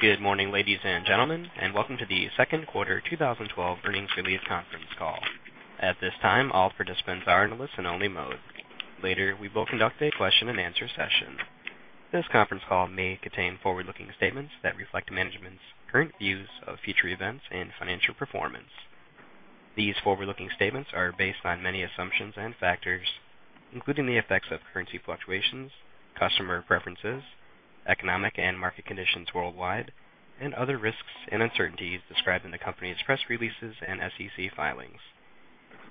Good morning, ladies and gentlemen, and welcome to the second quarter 2012 earnings release conference call. At this time, all participants are in listen only mode. Later, we will conduct a question and answer session. This conference call may contain forward-looking statements that reflect management's current views of future events and financial performance. These forward-looking statements are based on many assumptions and factors, including the effects of currency fluctuations, customer preferences, economic and market conditions worldwide, and other risks and uncertainties described in the company's press releases and SEC filings.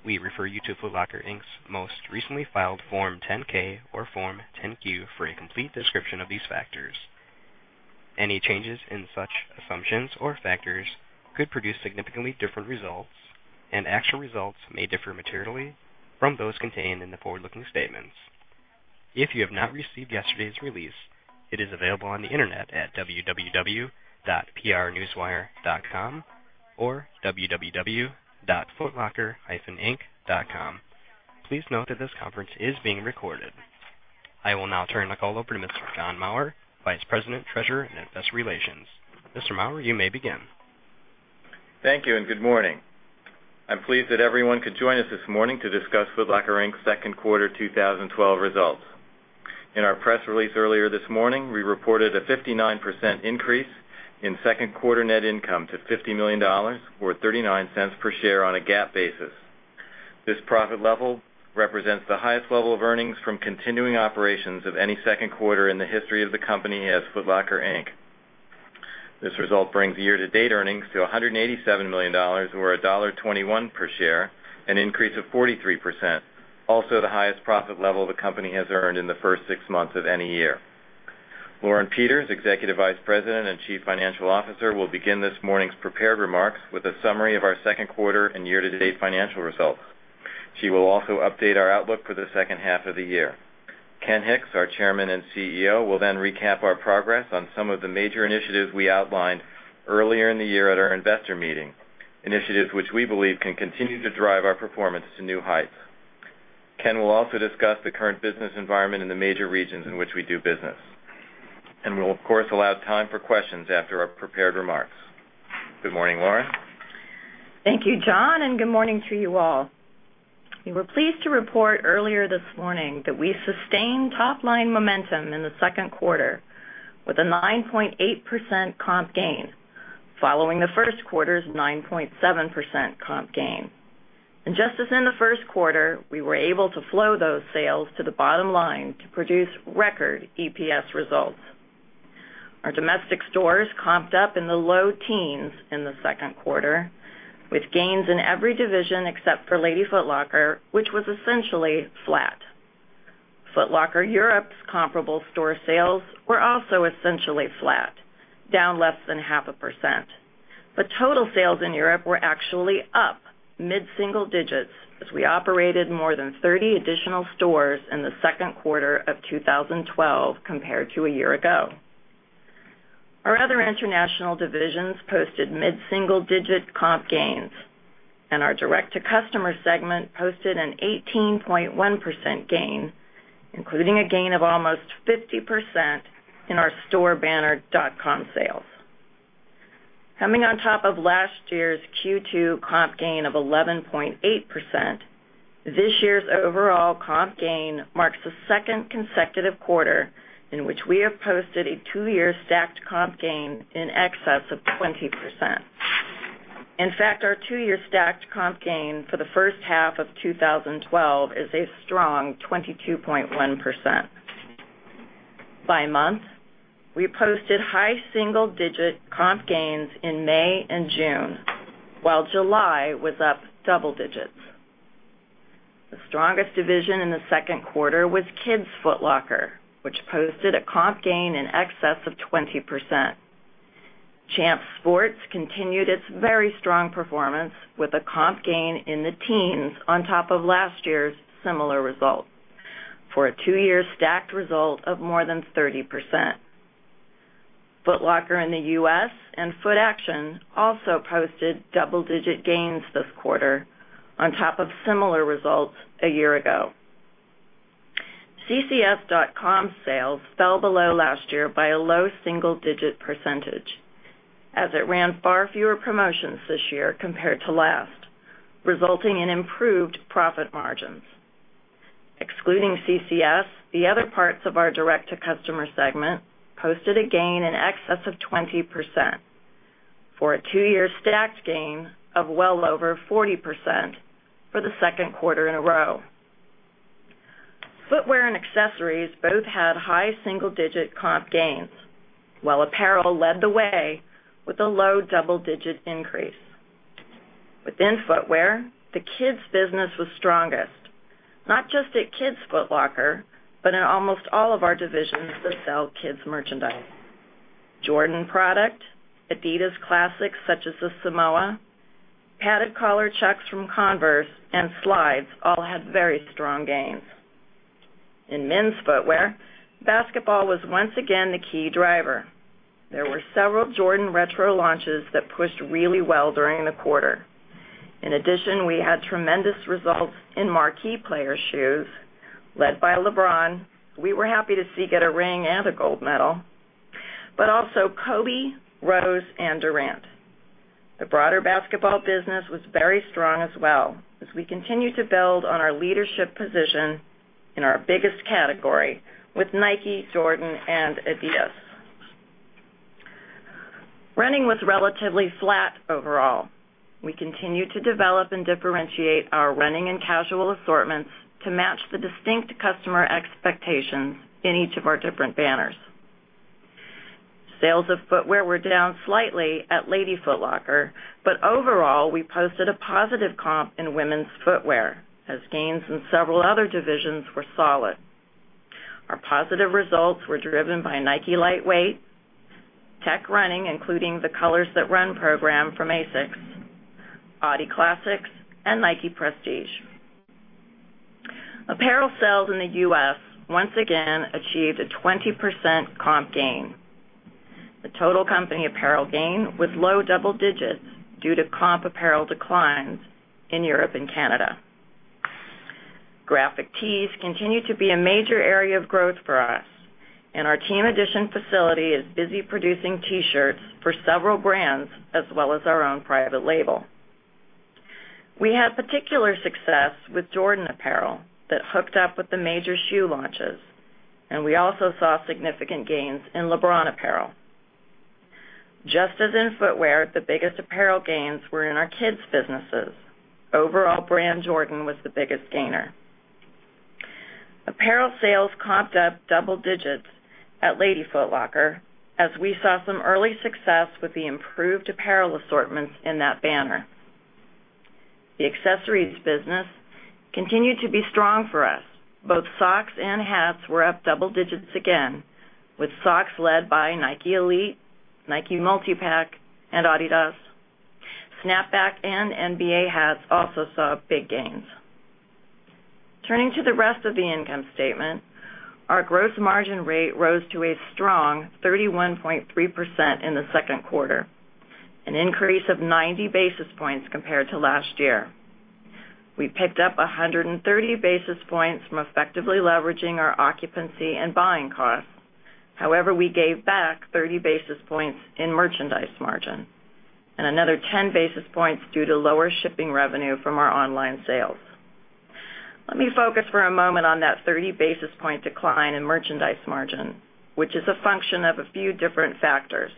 We refer you to Foot Locker, Inc.'s most recently filed Form 10-K or Form 10-Q for a complete description of these factors. Any changes in such assumptions or factors could produce significantly different results, and actual results may differ materially from those contained in the forward-looking statements. If you have not received yesterday's release, it is available on the Internet at www.prnewswire.com or www.footlocker-inc.com. Please note that this conference is being recorded. I will now turn the call over to Mr. John Maurer, Vice President, Treasurer and Investor Relations. Mr. Maurer, you may begin. Thank you, and good morning. I'm pleased that everyone could join us this morning to discuss Foot Locker, Inc.'s second quarter 2012 results. In our press release earlier this morning, we reported a 59% increase in second quarter net income to $50 million or $0.39 per share on a GAAP basis. This profit level represents the highest level of earnings from continuing operations of any second quarter in the history of the company as Foot Locker, Inc. This result brings year-to-date earnings to $187 million or $1.21 per share, an increase of 43%, also the highest profit level the company has earned in the first six months of any year. Lauren Peters, Executive Vice President and Chief Financial Officer, will begin this morning's prepared remarks with a summary of our second quarter and year-to-date financial results. She will also update our outlook for the second half of the year. Ken Hicks, our Chairman and CEO, will recap our progress on some of the major initiatives we outlined earlier in the year at our investor meeting, initiatives which we believe can continue to drive our performance to new heights. Ken will also discuss the current business environment in the major regions in which we do business. We'll, of course, allow time for questions after our prepared remarks. Good morning, Lauren. Thank you, John, good morning to you all. We were pleased to report earlier this morning that we sustained top-line momentum in the second quarter with a 9.8% comp gain, following the first quarter's 9.7% comp gain. Just as in the first quarter, we were able to flow those sales to the bottom line to produce record EPS results. Our domestic stores comped up in the low teens in the second quarter, with gains in every division except for Lady Foot Locker, which was essentially flat. Foot Locker Europe's comparable store sales were also essentially flat, down less than half a percent. Total sales in Europe were actually up mid-single digits as we operated more than 30 additional stores in the second quarter of 2012 compared to a year ago. Our other international divisions posted mid-single-digit comp gains, our direct-to-customer segment posted an 18.1% gain, including a gain of almost 50% in our storebanner.com sales. Coming on top of last year's Q2 comp gain of 11.8%, this year's overall comp gain marks the second consecutive quarter in which we have posted a two-year stacked comp gain in excess of 20%. In fact, our two-year stacked comp gain for the first half of 2012 is a strong 22.1%. By month, we posted high single-digit comp gains in May and June, while July was up double digits. The strongest division in the second quarter was Kids Foot Locker, which posted a comp gain in excess of 20%. Champs Sports continued its very strong performance with a comp gain in the teens on top of last year's similar result for a two-year stacked result of more than 30%. Foot Locker in the U.S. and Footaction also posted double-digit gains this quarter on top of similar results a year ago. ccs.com sales fell below last year by a low single-digit percentage as it ran far fewer promotions this year compared to last, resulting in improved profit margins. Excluding CCS, the other parts of our direct-to-customer segment posted a gain in excess of 20% for a two-year stacked gain of well over 40% for the second quarter in a row. Footwear and accessories both had high single-digit comp gains, while apparel led the way with a low double-digit increase. Within footwear, the kids' business was strongest, not just at Kids Foot Locker, but in almost all of our divisions that sell kids' merchandise. Jordan product, adidas Classics such as the Samoa, padded collar Chucks from Converse, and slides all had very strong gains. In men's footwear, basketball was once again the key driver. There were several Jordan retro launches that pushed really well during the quarter. In addition, we had tremendous results in marquee player shoes led by LeBron, we were happy to see get a ring and a gold medal, but also Kobe, Rose, and Durant. The broader basketball business was very strong as well as we continue to build on our leadership position in our biggest category with Nike, Jordan, and Adidas. Running was relatively flat overall. We continue to develop and differentiate our running and casual assortments to match the distinct customer expectations in each of our different banners. Sales of footwear were down slightly at Lady Foot Locker, overall, we posted a positive comp in women's footwear as gains in several other divisions were solid. Our positive results were driven by Nike lightweight, tech running, including the Colors That Run program from ASICS, Adi Classics, and Nike Prestige. Apparel sales in the U.S. once again achieved a 20% comp gain. The total company apparel gain was low double digits due to comp apparel declines in Europe and Canada. Graphic tees continue to be a major area of growth for us, and our team edition facility is busy producing T-shirts for several brands as well as our own private label. We had particular success with Jordan apparel that hooked up with the major shoe launches, and we also saw significant gains in LeBron apparel. Just as in footwear, the biggest apparel gains were in our kids' businesses. Overall, brand Jordan was the biggest gainer. Apparel sales comped up double digits at Lady Foot Locker, as we saw some early success with the improved apparel assortments in that banner. The accessories business continued to be strong for us. Both socks and hats were up double digits again with socks led by Nike Elite, Nike Multi-Pack, and Adidas. Snapback and NBA hats also saw big gains. Turning to the rest of the income statement, our gross margin rate rose to a strong 31.3% in the second quarter, an increase of 90 basis points compared to last year. We gave back 30 basis points in merchandise margin and another 10 basis points due to lower shipping revenue from our online sales. Let me focus for a moment on that 30 basis point decline in merchandise margin, which is a function of a few different factors.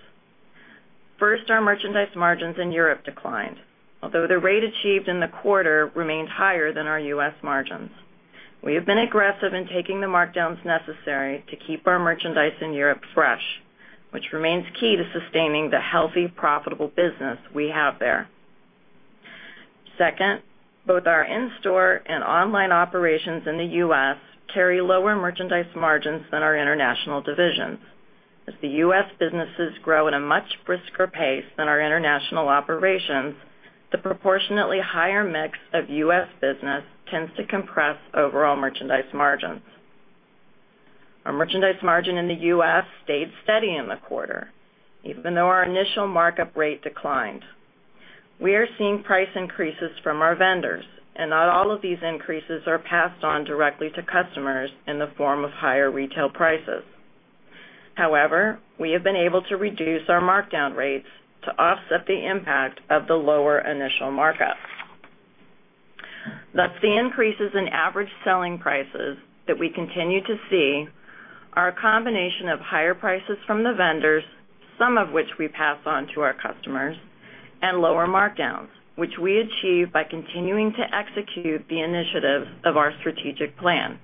First, our merchandise margins in Europe declined. The rate achieved in the quarter remains higher than our U.S. margins. We have been aggressive in taking the markdowns necessary to keep our merchandise in Europe fresh, which remains key to sustaining the healthy, profitable business we have there. Second, both our in-store and online operations in the U.S. carry lower merchandise margins than our international divisions. The U.S. businesses grow at a much brisker pace than our international operations, the proportionately higher mix of U.S. business tends to compress overall merchandise margins. Our merchandise margin in the U.S. stayed steady in the quarter, even though our initial markup rate declined. We are seeing price increases from our vendors, not all of these increases are passed on directly to customers in the form of higher retail prices. We have been able to reduce our markdown rates to offset the impact of the lower initial markups. The increases in average selling prices that we continue to see are a combination of higher prices from the vendors, some of which we pass on to our customers, and lower markdowns, which we achieve by continuing to execute the initiatives of our strategic plan.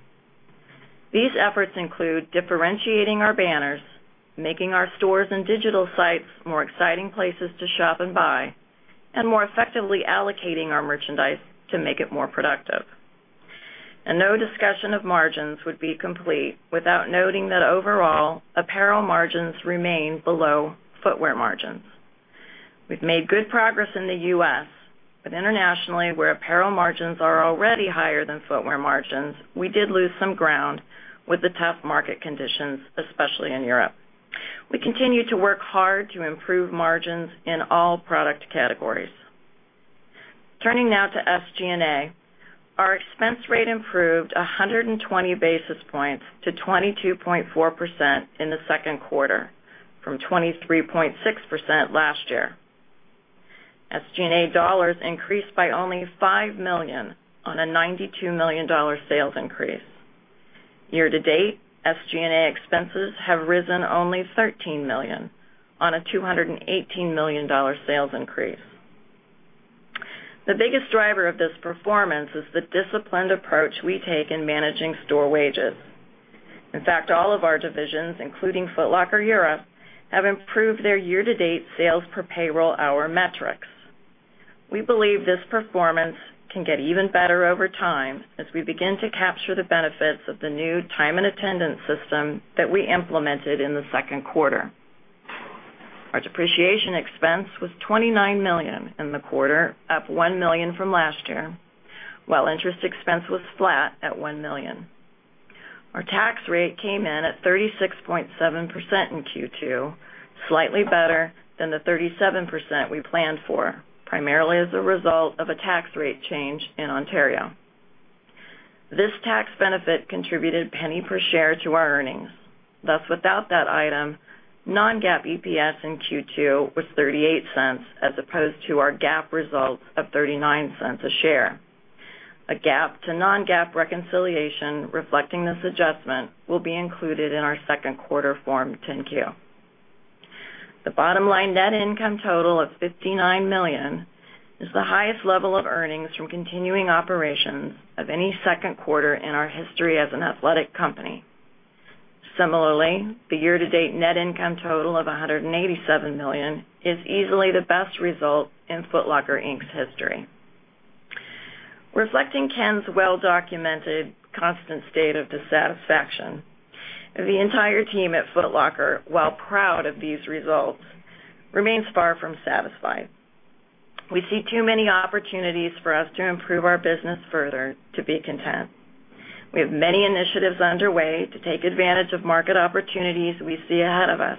These efforts include differentiating our banners, making our stores and digital sites more exciting places to shop and buy, and more effectively allocating our merchandise to make it more productive. No discussion of margins would be complete without noting that overall, apparel margins remain below footwear margins. We've made good progress in the U.S., but internationally, where apparel margins are already higher than footwear margins, we did lose some ground with the tough market conditions, especially in Europe. We continue to work hard to improve margins in all product categories. Turning now to SGA. Our expense rate improved 120 basis points to 22.4% in the second quarter from 23.6% last year. SGA dollars increased by only $5 million on a $92 million sales increase. Year-to-date, SGA expenses have risen only $13 million on a $218 million sales increase. The biggest driver of this performance is the disciplined approach we take in managing store wages. In fact, all of our divisions, including Foot Locker Europe, have improved their year-to-date sales per payroll hour metrics. We believe this performance can get even better over time as we begin to capture the benefits of the new time and attendance system that we implemented in the second quarter. Our depreciation expense was $29 million in the quarter, up $1 million from last year, while interest expense was flat at $1 million. Our tax rate came in at 36.7% in Q2, slightly better than the 37% we planned for, primarily as a result of a tax rate change in Ontario. This tax benefit contributed $0.01 per share to our earnings. Thus, without that item, non-GAAP EPS in Q2 was $0.38 as opposed to our GAAP results of $0.39 a share. A GAAP to non-GAAP reconciliation reflecting this adjustment will be included in our second quarter Form 10-Q. The bottom line net income total of $59 million is the highest level of earnings from continuing operations of any second quarter in our history as an athletic company. Similarly, the year-to-date net income total of $187 million is easily the best result in Foot Locker, Inc.'s history. Reflecting Ken's well-documented constant state of dissatisfaction, the entire team at Foot Locker, while proud of these results, remains far from satisfied. We see too many opportunities for us to improve our business further to be content. We have many initiatives underway to take advantage of market opportunities we see ahead of us,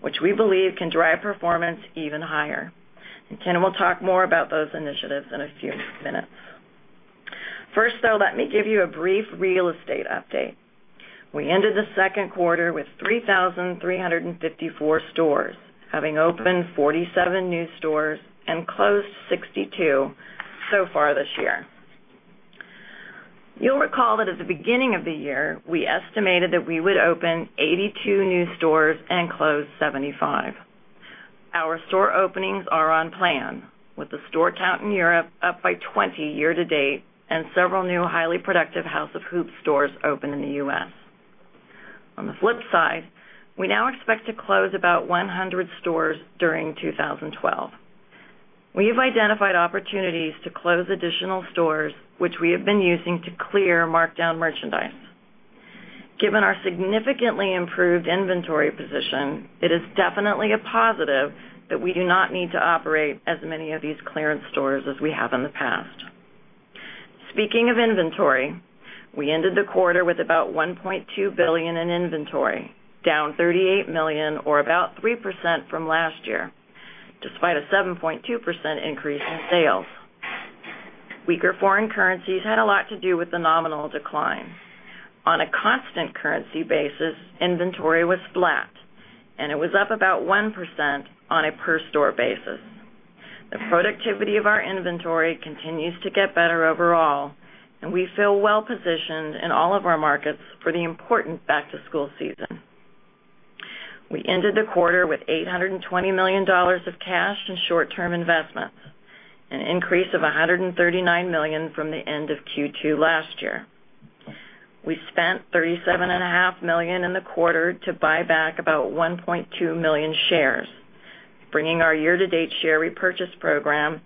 which we believe can drive performance even higher. Ken will talk more about those initiatives in a few minutes. First, though, let me give you a brief real estate update. We ended the second quarter with 3,354 stores, having opened 47 new stores and closed 62 so far this year. You'll recall that at the beginning of the year, we estimated that we would open 82 new stores and close 75. Our store openings are on plan, with the store count in Europe up by 20 year-to-date and several new highly productive House of Hoops stores open in the U.S. On the flip side, we now expect to close about 100 stores during 2012. We have identified opportunities to close additional stores which we have been using to clear markdown merchandise. Given our significantly improved inventory position, it is definitely a positive that we do not need to operate as many of these clearance stores as we have in the past. Speaking of inventory, we ended the quarter with about $1.2 billion in inventory, down $38 million or about 3% from last year, despite a 7.2% increase in sales. Weaker foreign currencies had a lot to do with the nominal decline. On a constant currency basis, inventory was flat, and it was up about 1% on a per store basis. The productivity of our inventory continues to get better overall, and we feel well positioned in all of our markets for the important back-to-school season. We ended the quarter with $820 million of cash and short-term investments, an increase of $139 million from the end of Q2 last year. We spent $37.5 million in the quarter to buy back about 1.2 million shares, bringing our year-to-date share repurchase program to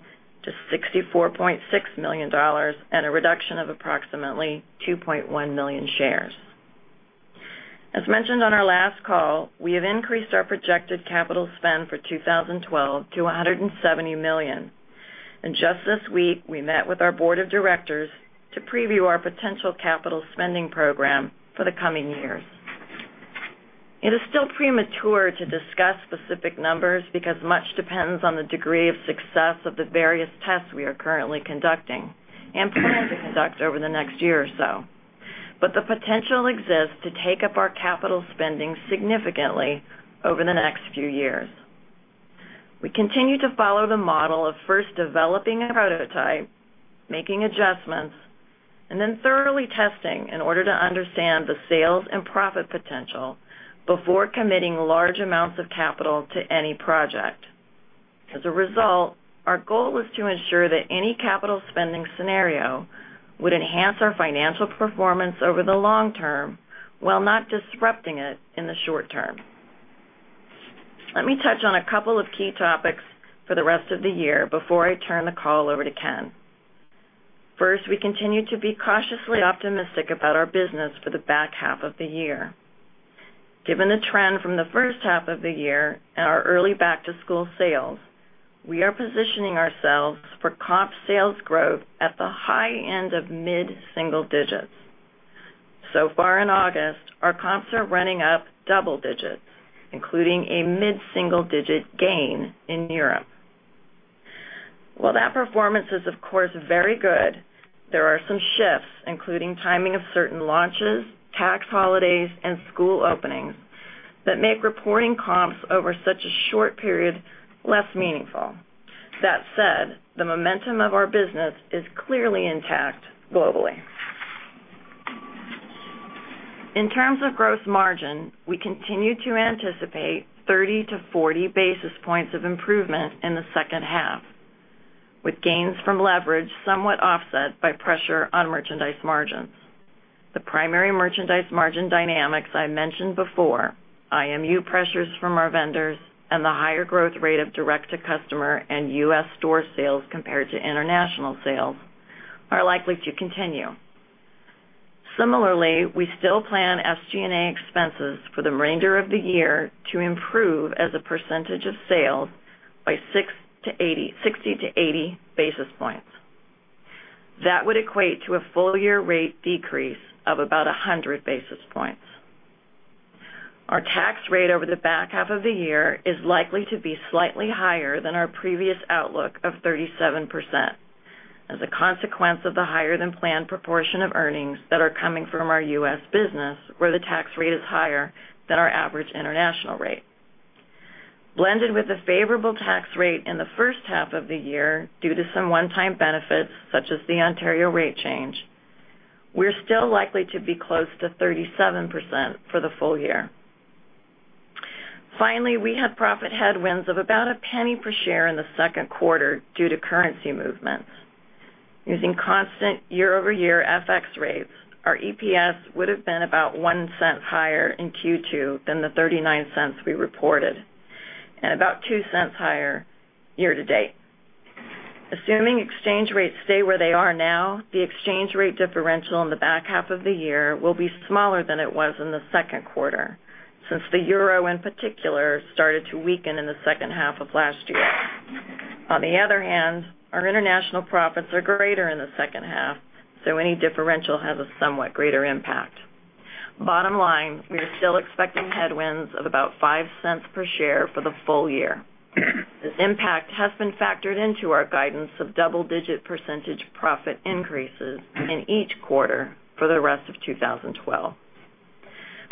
$64.6 million and a reduction of approximately 2.1 million shares. As mentioned on our last call, we have increased our projected capital spend for 2012 to $170 million. Just this week, we met with our board of directors to preview our potential capital spending program for the coming years. It is still premature to discuss specific numbers because much depends on the degree of success of the various tests we are currently conducting and plan to conduct over the next year or so. The potential exists to take up our capital spending significantly over the next few years. We continue to follow the model of first developing a prototype, making adjustments, and then thoroughly testing in order to understand the sales and profit potential before committing large amounts of capital to any project. As a result, our goal is to ensure that any capital spending scenario would enhance our financial performance over the long term while not disrupting it in the short term. Let me touch on a couple of key topics for the rest of the year before I turn the call over to Ken. First, we continue to be cautiously optimistic about our business for the back half of the year. Given the trend from the first half of the year and our early back-to-school sales, we are positioning ourselves for comp sales growth at the high end of mid-single digits. So far in August, our comps are running up double digits, including a mid-single-digit gain in Europe. While that performance is, of course, very good, there are some shifts, including timing of certain launches, tax holidays, and school openings, that make reporting comps over such a short period less meaningful. That said, the momentum of our business is clearly intact globally. In terms of gross margin, we continue to anticipate 30 to 40 basis points of improvement in the second half, with gains from leverage somewhat offset by pressure on merchandise margins. The primary merchandise margin dynamics I mentioned before, IMU pressures from our vendors and the higher growth rate of direct-to-customer and U.S. store sales compared to international sales, are likely to continue. Similarly, we still plan SG&A expenses for the remainder of the year to improve as a percentage of sales by 60 to 80 basis points. That would equate to a full year rate decrease of about 100 basis points. Our tax rate over the back half of the year is likely to be slightly higher than our previous outlook of 37%, as a consequence of the higher than planned proportion of earnings that are coming from our U.S. business, where the tax rate is higher than our average international rate. Blended with a favorable tax rate in the first half of the year due to some one-time benefits such as the Ontario rate change, we're still likely to be close to 37% for the full year. We had profit headwinds of about $0.01 per share in the second quarter due to currency movements. Using constant year-over-year FX rates, our EPS would've been about $0.01 higher in Q2 than the $0.39 we reported, and about $0.02 higher year to date. Assuming exchange rates stay where they are now, the exchange rate differential in the back half of the year will be smaller than it was in the second quarter, since the euro, in particular, started to weaken in the second half of last year. Our international profits are greater in the second half, so any differential has a somewhat greater impact. We are still expecting headwinds of about $0.05 per share for the full year. This impact has been factored into our guidance of double-digit % profit increases in each quarter for the rest of 2012.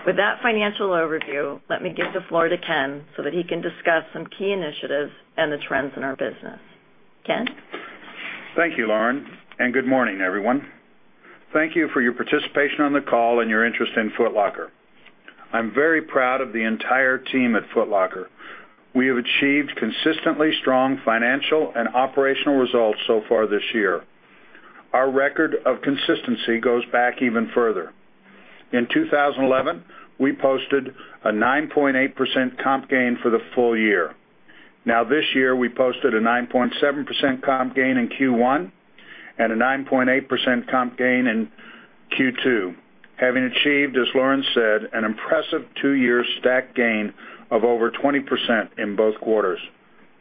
With that financial overview, let me give the floor to Ken so that he can discuss some key initiatives and the trends in our business. Ken? Thank you, Lauren, good morning, everyone. Thank you for your participation on the call and your interest in Foot Locker. I'm very proud of the entire team at Foot Locker. We have achieved consistently strong financial and operational results so far this year. Our record of consistency goes back even further. In 2011, we posted a 9.8% comp gain for the full year. This year, we posted a 9.7% comp gain in Q1 and a 9.8% comp gain in Q2. Having achieved, as Lauren said, an impressive two-year stacked gain of over 20% in both quarters.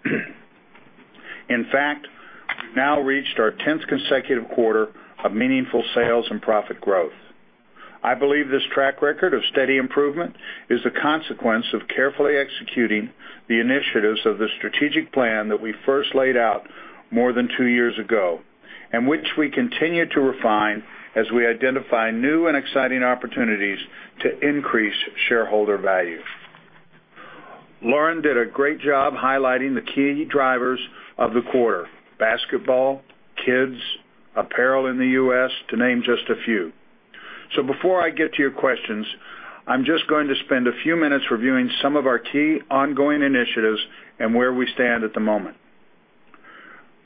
We've now reached our 10th consecutive quarter of meaningful sales and profit growth. I believe this track record of steady improvement is the consequence of carefully executing the initiatives of the strategic plan that we first laid out more than two years ago, which we continue to refine as we identify new and exciting opportunities to increase shareholder value. Lauren did a great job highlighting the key drivers of the quarter, basketball, kids, apparel in the U.S., to name just a few. Before I get to your questions, I'm just going to spend a few minutes reviewing some of our key ongoing initiatives and where we stand at the moment.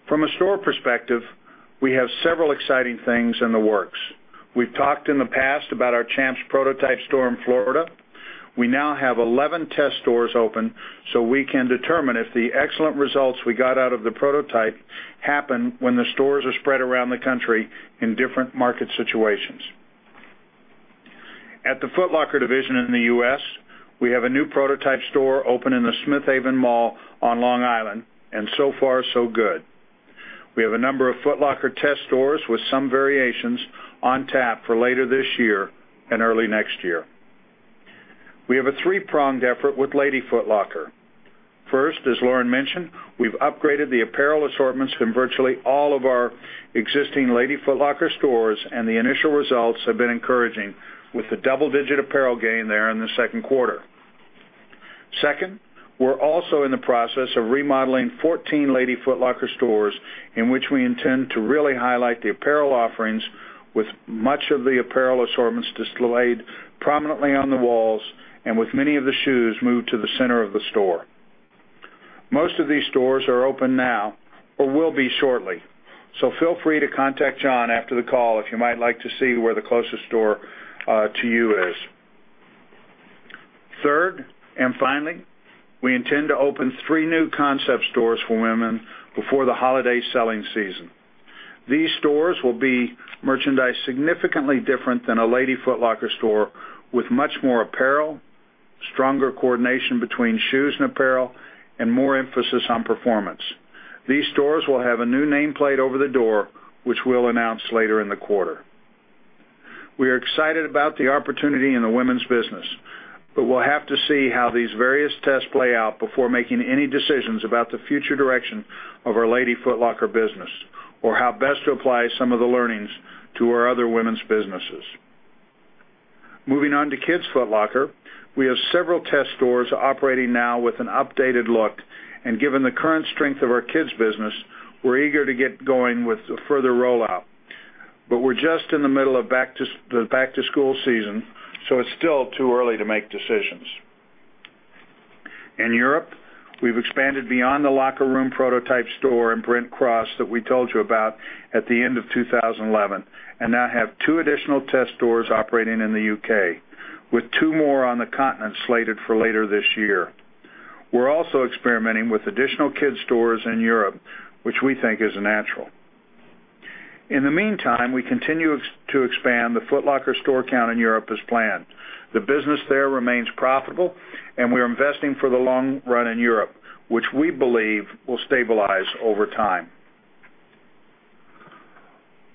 From a store perspective, we have several exciting things in the works. We've talked in the past about our Champs prototype store in Florida. We now have 11 test stores open so we can determine if the excellent results we got out of the prototype happen when the stores are spread around the country in different market situations. At the Foot Locker division in the U.S., we have a new prototype store open in the Smith Haven Mall on Long Island, and so far so good. We have a number of Foot Locker test stores with some variations on tap for later this year and early next year. We have a three-pronged effort with Lady Foot Locker. First, as Lauren mentioned, we've upgraded the apparel assortments in virtually all of our existing Lady Foot Locker stores, and the initial results have been encouraging with the double-digit apparel gain there in the second quarter. We're also in the process of remodeling 14 Lady Foot Locker stores in which we intend to really highlight the apparel offerings with much of the apparel assortments displayed prominently on the walls and with many of the shoes moved to the center of the store. Most of these stores are open now or will be shortly. Feel free to contact John after the call if you might like to see where the closest store to you is. Finally, we intend to open three new concept stores for women before the holiday selling season. These stores will be merchandised significantly different than a Lady Foot Locker store with much more apparel, stronger coordination between shoes and apparel, and more emphasis on performance. These stores will have a new nameplate over the door, which we'll announce later in the quarter. We are excited about the opportunity in the women's business, but we'll have to see how these various tests play out before making any decisions about the future direction of our Lady Foot Locker business or how best to apply some of the learnings to our other women's businesses. Moving on to Kids' Foot Locker, we have several test stores operating now with an updated look and given the current strength of our kids business, we're eager to get going with a further rollout. We're just in the middle of the back-to-school season, so it's still too early to make decisions. In Europe, we've expanded beyond The Locker Room prototype store in Brent Cross that we told you about at the end of 2011 and now have two additional test stores operating in the U.K., with two more on the continent slated for later this year. We're also experimenting with additional kids' stores in Europe, which we think is a natural. In the meantime, we continue to expand the Foot Locker store count in Europe as planned. The business there remains profitable, and we are investing for the long run in Europe, which we believe will stabilize over time.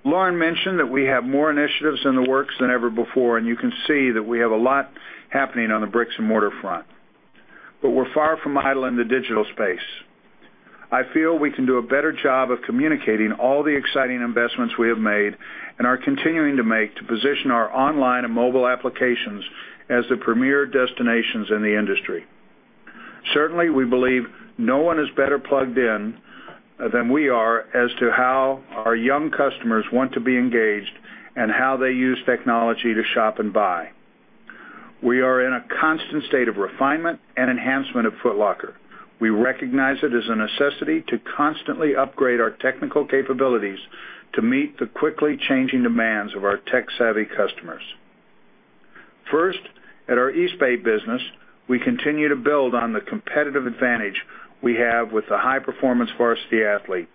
Lauren mentioned that we have more initiatives in the works than ever before, and you can see that we have a lot happening on the bricks and mortar front. We're far from idle in the digital space. I feel we can do a better job of communicating all the exciting investments we have made and are continuing to make to position our online and mobile applications as the premier destinations in the industry. Certainly, we believe no one is better plugged in than we are as to how our young customers want to be engaged and how they use technology to shop and buy. We are in a constant state of refinement and enhancement of Foot Locker. We recognize it as a necessity to constantly upgrade our technical capabilities to meet the quickly changing demands of our tech-savvy customers. First, at our Eastbay business, we continue to build on the competitive advantage we have with the High Performance Varsity Athlete.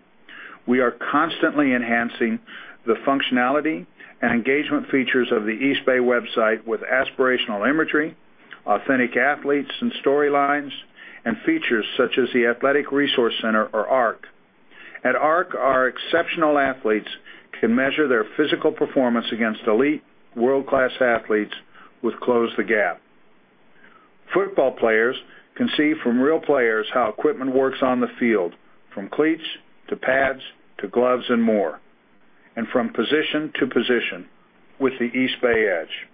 We are constantly enhancing the functionality and engagement features of the Eastbay website with aspirational imagery, authentic athletes and storylines, and features such as the Athletic Resource Center or ARC. At ARC, our exceptional athletes can measure their physical performance against elite world-class athletes with Close the Gap. Football players can see from real players how equipment works on the field, from cleats to pads to gloves and more, and from position to position with the Eastbay Edge.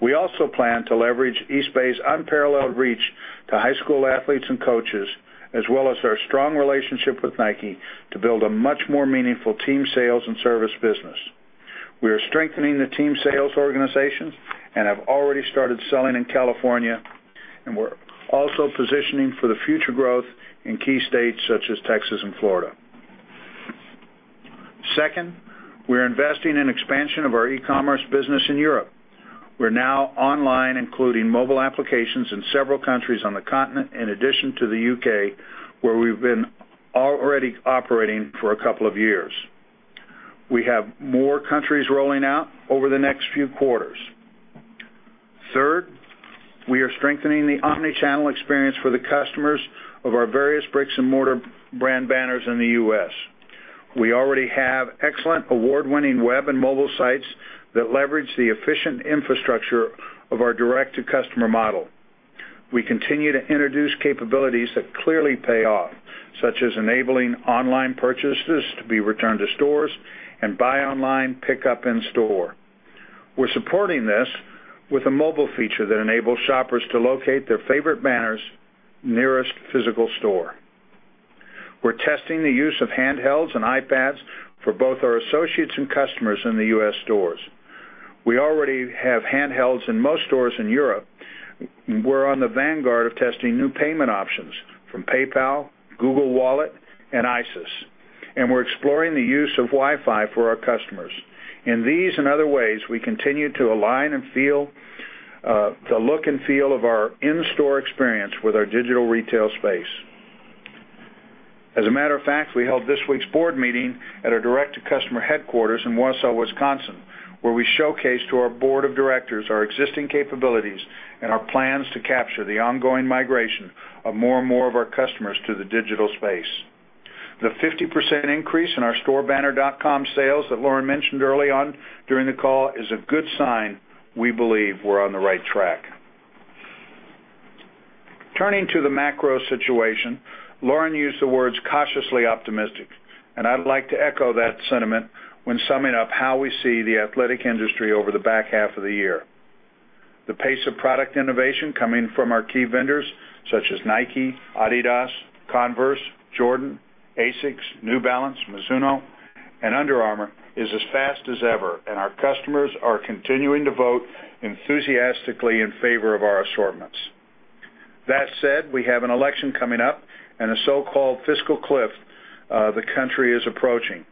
We also plan to leverage Eastbay's unparalleled reach to high school athletes and coaches, as well as our strong relationship with Nike to build a much more meaningful team sales and service business. We are strengthening the team sales organization and have already started selling in California. We're also positioning for the future growth in key states such as Texas and Florida. Second, we're investing in expansion of our e-commerce business in Europe. We're now online, including mobile applications in several countries on the continent, in addition to the U.K., where we've been already operating for a couple of years. We have more countries rolling out over the next few quarters. Third, we are strengthening the omnichannel experience for the customers of our various bricks and mortar brand banners in the U.S. We already have excellent award-winning web and mobile sites that leverage the efficient infrastructure of our direct-to-customer model. We continue to introduce capabilities that clearly pay off, such as enabling online purchases to be returned to stores and buy online, pickup in store. We're supporting this with a mobile feature that enables shoppers to locate their favorite banner's nearest physical store. We're testing the use of handhelds and iPads for both our associates and customers in the U.S. stores. We already have handhelds in most stores in Europe. We're on the vanguard of testing new payment options from PayPal, Google Wallet, and Isis, and we're exploring the use of Wi-Fi for our customers. In these and other ways, we continue to align the look and feel of our in-store experience with our digital retail space. As a matter of fact, we held this week's board meeting at our direct to customer headquarters in Wausau, Wisconsin, where we showcased to our board of directors our existing capabilities and our plans to capture the ongoing migration of more and more of our customers to the digital space. The 50% increase in our storebanner.com sales that Lauren mentioned early on during the call is a good sign we believe we're on the right track. Turning to the macro situation, Lauren used the words cautiously optimistic, and I'd like to echo that sentiment when summing up how we see the athletic industry over the back half of the year. The pace of product innovation coming from our key vendors such as Nike, Adidas, Converse, Jordan, ASICS, New Balance, Mizuno, and Under Armour is as fast as ever, and our customers are continuing to vote enthusiastically in favor of our assortments. That said, we have an election coming up and a so-called fiscal cliff the country is approaching.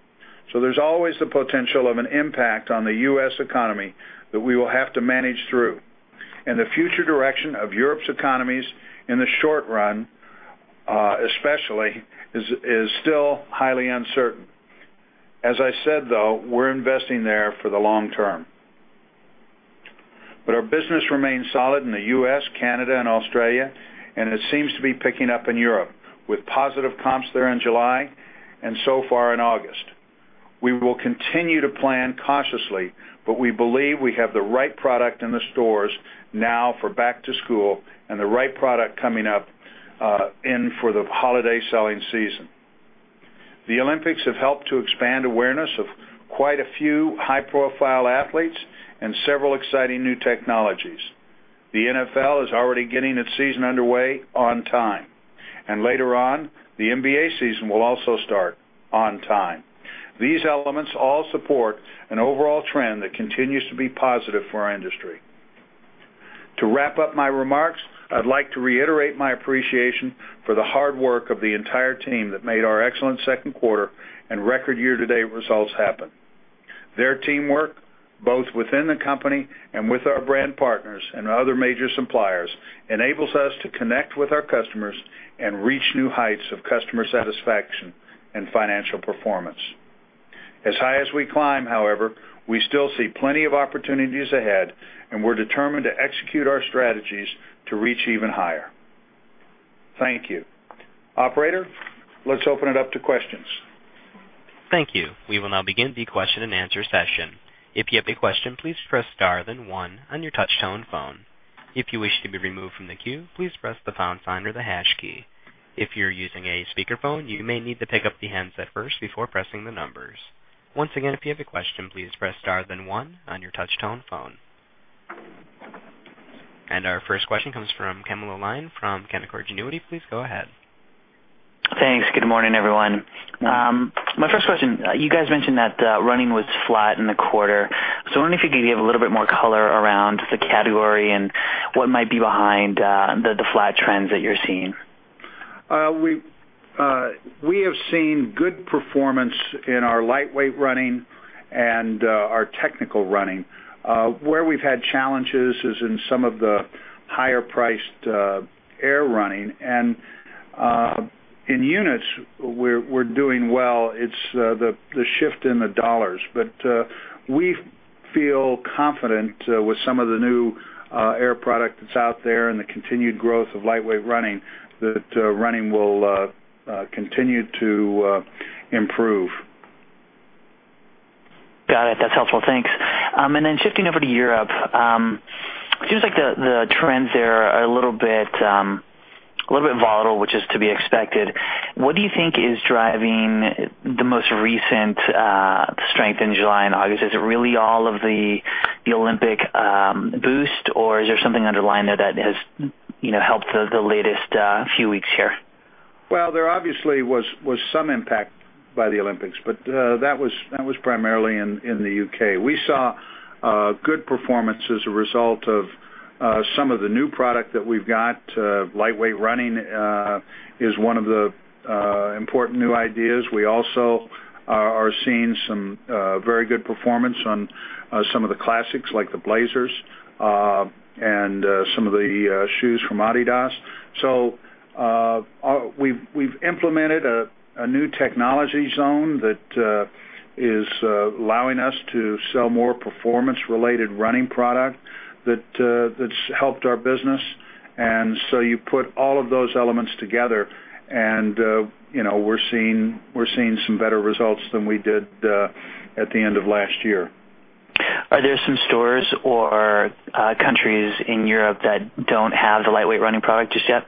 There's always the potential of an impact on the U.S. economy that we will have to manage through. The future direction of Europe's economies in the short run, especially, is still highly uncertain. As I said, though, we're investing there for the long term. Our business remains solid in the U.S., Canada, and Australia, and it seems to be picking up in Europe, with positive comps there in July and so far in August. We will continue to plan cautiously, we believe we have the right product in the stores now for back to school and the right product coming up in for the holiday selling season. The Olympics have helped to expand awareness of quite a few high-profile athletes and several exciting new technologies. The NFL is already getting its season underway on time, and later on, the NBA season will also start on time. These elements all support an overall trend that continues to be positive for our industry. To wrap up my remarks, I'd like to reiterate my appreciation for the hard work of the entire team that made our excellent second quarter and record year-to-date results happen. Their teamwork, both within the company and with our brand partners and our other major suppliers, enables us to connect with our customers and reach new heights of customer satisfaction and financial performance. As high as we climb, however, we still see plenty of opportunities ahead, we're determined to execute our strategies to reach even higher. Thank you. Operator, let's open it up to questions. Thank you. We will now begin the question-and-answer session. If you have a question, please press star then one on your touch-tone phone. If you wish to be removed from the queue, please press the pound sign or the hash key. If you're using a speakerphone, you may need to pick up the handset first before pressing the numbers. Once again, if you have a question, please press star then one on your touch-tone phone. Our first question comes from Camilo Lyon from Canaccord Genuity. Please go ahead. Thanks. Good morning, everyone. Good morning. My first question, you guys mentioned that running was flat in the quarter. I wonder if you could give a little bit more color around the category and what might be behind the flat trends that you're seeing. We have seen good performance in our lightweight running and our technical running. Where we've had challenges is in some of the higher-priced air running. In units, we're doing well. It's the shift in the dollars. We feel confident with some of the new air product that's out there and the continued growth of lightweight running, that running will continue to improve. Got it. That's helpful. Thanks. Shifting over to Europe, it seems like the trends there are a little bit volatile, which is to be expected. What do you think is driving the most recent strength in July and August? Is it really all of the Olympic boost, or is there something underlying there that has helped the latest few weeks here? There obviously was some impact by the Olympics, but that was primarily in the U.K. We saw good performance as a result of some of the new product that we've got. Lightweight running is one of the important new ideas. We also are seeing some very good performance on some of the classics, like the Blazers and some of the shoes from Adidas. We've implemented a new technology zone that is allowing us to sell more performance-related running product that's helped our business. You put all of those elements together, and we're seeing some better results than we did at the end of last year. Are there some stores or countries in Europe that don't have the lightweight running product just yet?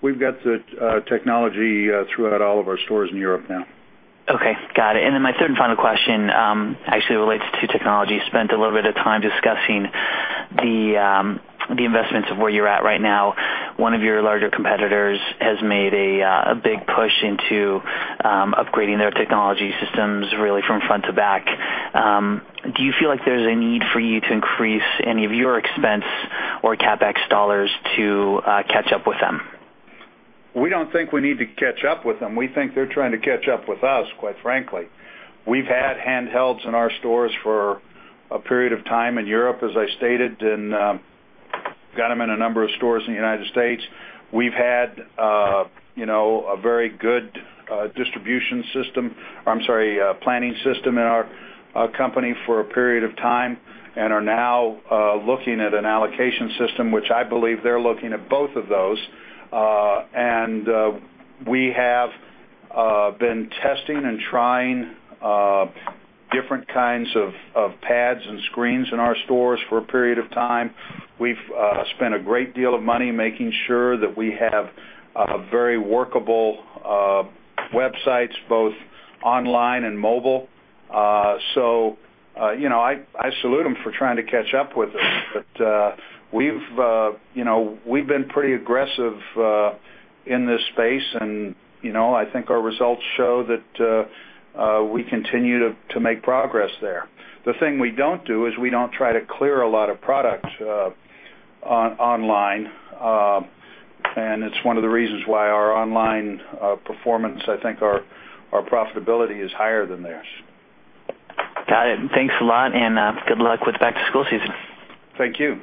We've got the technology throughout all of our stores in Europe now. Okay. Got it. My third and final question actually relates to technology. You spent a little bit of time discussing the investments of where you're at right now. One of your larger competitors has made a big push into upgrading their technology systems, really from front to back. Do you feel like there's a need for you to increase any of your expense or CapEx dollars to catch up with them? We don't think we need to catch up with them. We think they're trying to catch up with us, quite frankly. We've had handhelds in our stores for a period of time in Europe, as I stated, and got them in a number of stores in the U.S. We've had a very good planning system in our company for a period of time and are now looking at an allocation system, which I believe they're looking at both of those. We have been testing and trying different kinds of pads and screens in our stores for a period of time. We've spent a great deal of money making sure that we have very workable websites, both online and mobile. I salute them for trying to catch up with us. We've been pretty aggressive in this space, and I think our results show that we continue to make progress there. The thing we don't do is we don't try to clear a lot of product online, and it's one of the reasons why our online performance, I think our profitability is higher than theirs. Got it. Thanks a lot, and good luck with the back-to-school season. Thank you.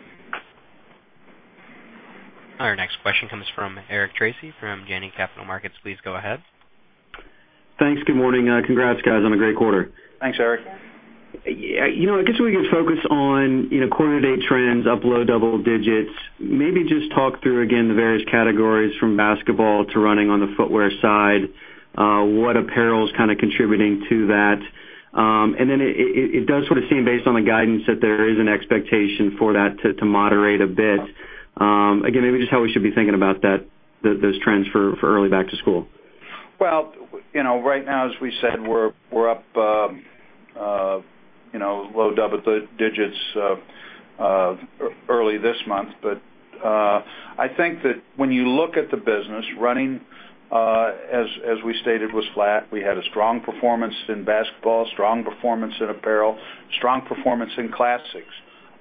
Our next question comes from Eric Tracy from Janney Capital Markets. Please go ahead. Thanks. Good morning. Congrats, guys, on a great quarter. Thanks, Eric. I guess we could focus on quarter-to-date trends, up low double digits. Maybe just talk through again the various categories from basketball to running on the footwear side. What apparel is kind of contributing to that? It does sort of seem based on the guidance that there is an expectation for that to moderate a bit. Again, maybe just how we should be thinking about those trends for early back to school. Right now, as we said, we're up low double digits early this month. I think that when you look at the business, running, as we stated, was flat. We had a strong performance in basketball, strong performance in apparel, strong performance in classics.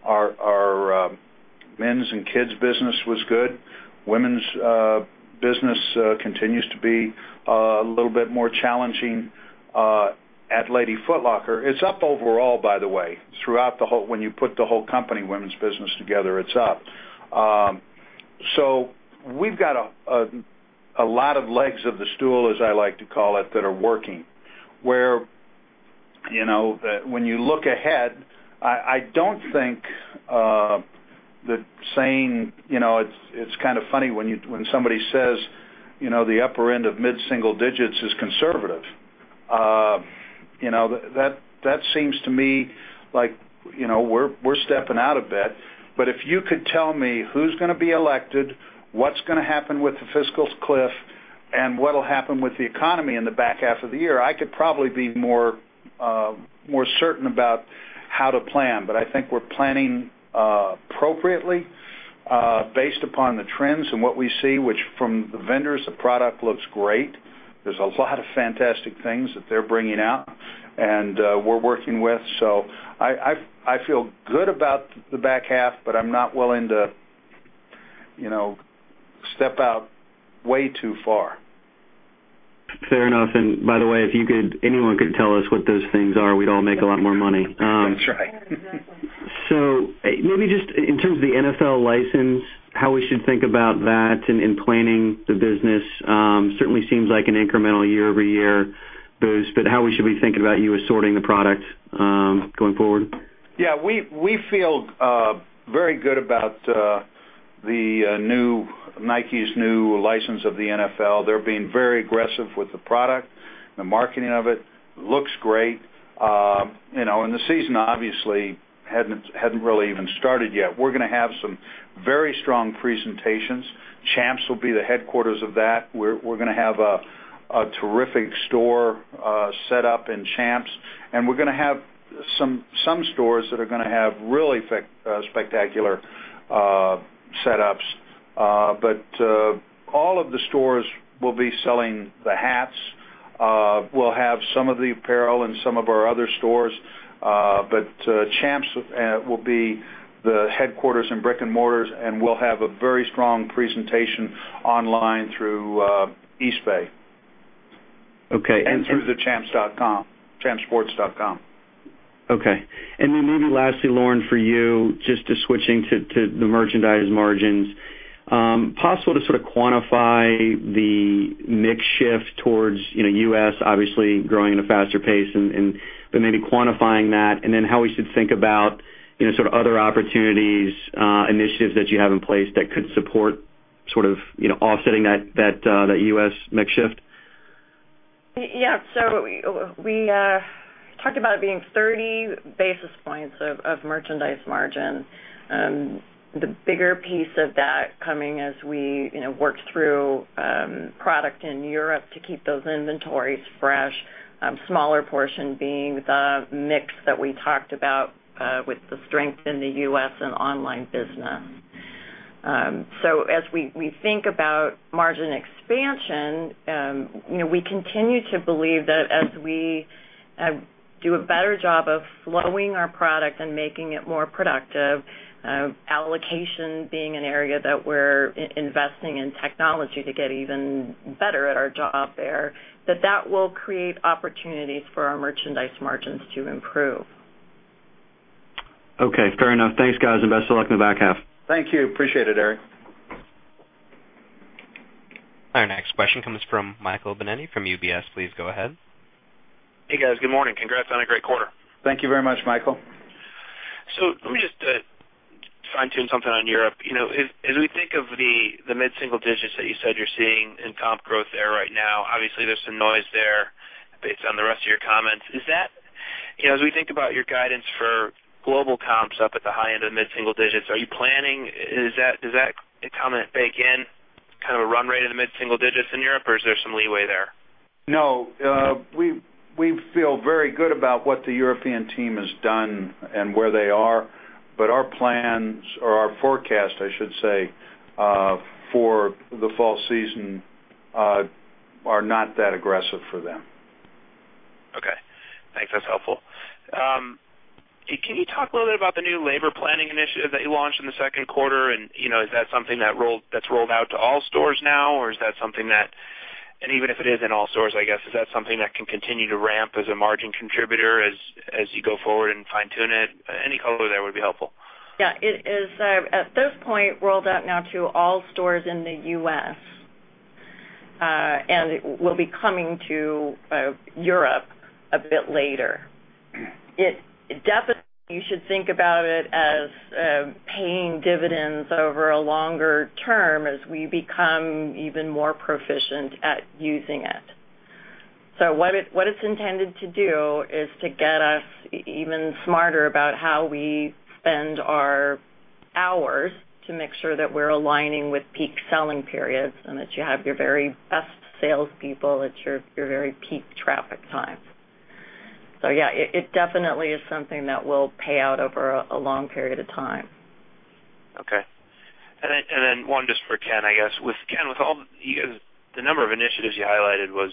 Our men's and kids business was good. Women's business continues to be a little bit more challenging at Lady Foot Locker. It's up overall, by the way. When you put the whole company women's business together, it's up. We've got a lot of legs of the stool, as I like to call it, that are working. Where, when you look ahead, I don't think that. It's kind of funny when somebody says, the upper end of mid-single digits is conservative. That seems to me like we're stepping out a bit. If you could tell me who's going to be elected, what's going to happen with the fiscal cliff, and what'll happen with the economy in the back half of the year, I could probably be more certain about how to plan. I think we're planning appropriately, based upon the trends and what we see, which from the vendors, the product looks great. There's a lot of fantastic things that they're bringing out and we're working with. I feel good about the back half, but I'm not willing to step out way too far. Fair enough. By the way, if anyone could tell us what those things are, we'd all make a lot more money. That's right. Maybe just in terms of the NFL license, how we should think about that in planning the business. Certainly seems like an incremental year-over-year boost, but how we should be thinking about you assorting the product going forward. We feel very good about Nike's new license of the NFL. They're being very aggressive with the product. The marketing of it looks great. The season obviously hadn't really even started yet. We're going to have some very strong presentations. Champs will be the headquarters of that. We're going to have a terrific store set up in Champs, and we're going to have some stores that are going to have really spectacular setups. All of the stores will be selling the hats. We'll have some of the apparel in some of our other stores. Champs will be the headquarters in brick and mortars, and we'll have a very strong presentation online through Eastbay. Okay. Through the champsports.com. Okay. Then maybe lastly, Lauren, for you, just switching to the merchandise margins. Possible to sort of quantify the mix shift towards U.S. obviously growing at a faster pace, but maybe quantifying that and then how we should think about sort of other opportunities, initiatives that you have in place that could support sort of offsetting that U.S. mix shift. Yeah. We talked about it being 30 basis points of merchandise margin. The bigger piece of that coming as we work through product in Europe to keep those inventories fresh. Smaller portion being the mix that we talked about, with the strength in the U.S. and online business. As we think about margin expansion, we continue to believe that as we do a better job of flowing our product and making it more productive, allocation being an area that we're investing in technology to get even better at our job there, that that will create opportunities for our merchandise margins to improve. Okay, fair enough. Thanks, guys, and best of luck in the back half. Thank you. Appreciate it, Eric. Our next question comes from Michael Binetti from UBS. Please go ahead. Hey, guys. Good morning. Congrats on a great quarter. Thank you very much, Michael. Let me just fine-tune something on Europe. As we think of the mid-single digits that you said you're seeing in comp growth there right now, obviously, there's some noise there based on the rest of your comments. As we think about your guidance for global comps up at the high end of the mid-single digits, does that incumbent bake in kind of a run rate in the mid-single digits in Europe, or is there some leeway there? No. We feel very good about what the European team has done and where they are. Our plans or our forecast, I should say, for the fall season, are not that aggressive for them. Okay. Thanks. That's helpful. Can you talk a little bit about the new labor planning initiative that you launched in the second quarter, is that something that's rolled out to all stores now, or even if it is in all stores, I guess, is that something that can continue to ramp as a margin contributor as you go forward and fine-tune it? Any color there would be helpful. Yeah. It is, at this point, rolled out now to all stores in the U.S., it will be coming to Europe a bit later. Definitely, you should think about it as paying dividends over a longer term as we become even more proficient at using it. What it's intended to do is to get us even smarter about how we spend our hours to make sure that we're aligning with peak selling periods and that you have your very best salespeople at your very peak traffic times. Yeah, it definitely is something that will pay out over a long period of time. Okay. Then one just for Ken, I guess. Ken, the number of initiatives you highlighted was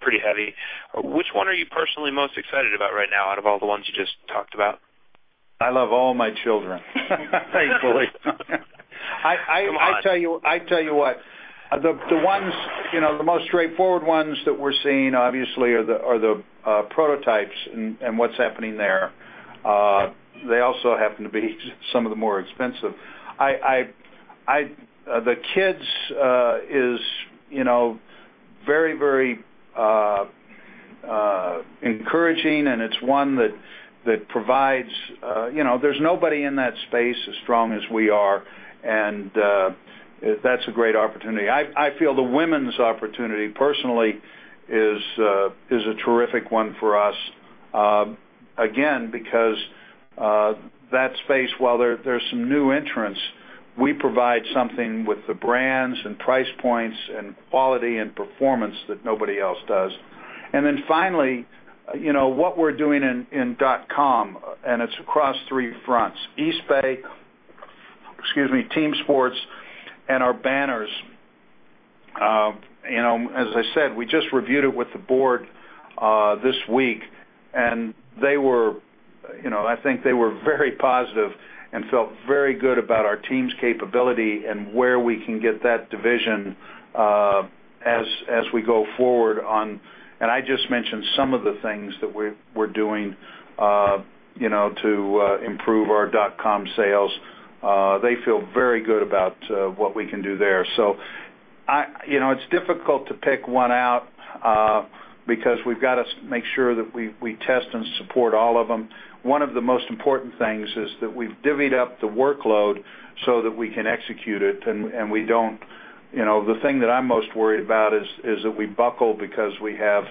pretty heavy. Which one are you personally most excited about right now out of all the ones you just talked about? I love all my children. Thankfully. Come on. I tell you what. The most straightforward ones that we're seeing, obviously, are the prototypes and what's happening there. They also happen to be some of the more expensive. The Kids is very encouraging, and it's one that provides. There's nobody in that space as strong as we are, and that's a great opportunity. I feel the women's opportunity, personally, is a terrific one for us. Again, because that space, while there's some new entrants, we provide something with the brands and price points and quality and performance that nobody else does. Then finally, what we're doing in dot com, and it's across three fronts, Eastbay, Team Sports, and our banners. As I said, we just reviewed it with the board this week, I think they were very positive and felt very good about our team's capability and where we can get that division as we go forward on. I just mentioned some of the things that we're doing to improve our dot com sales. They feel very good about what we can do there. It's difficult to pick one out because we've got to make sure that we test and support all of them. One of the most important things is that we've divvied up the workload so that we can execute it. The thing that I'm most worried about is that we buckle because we have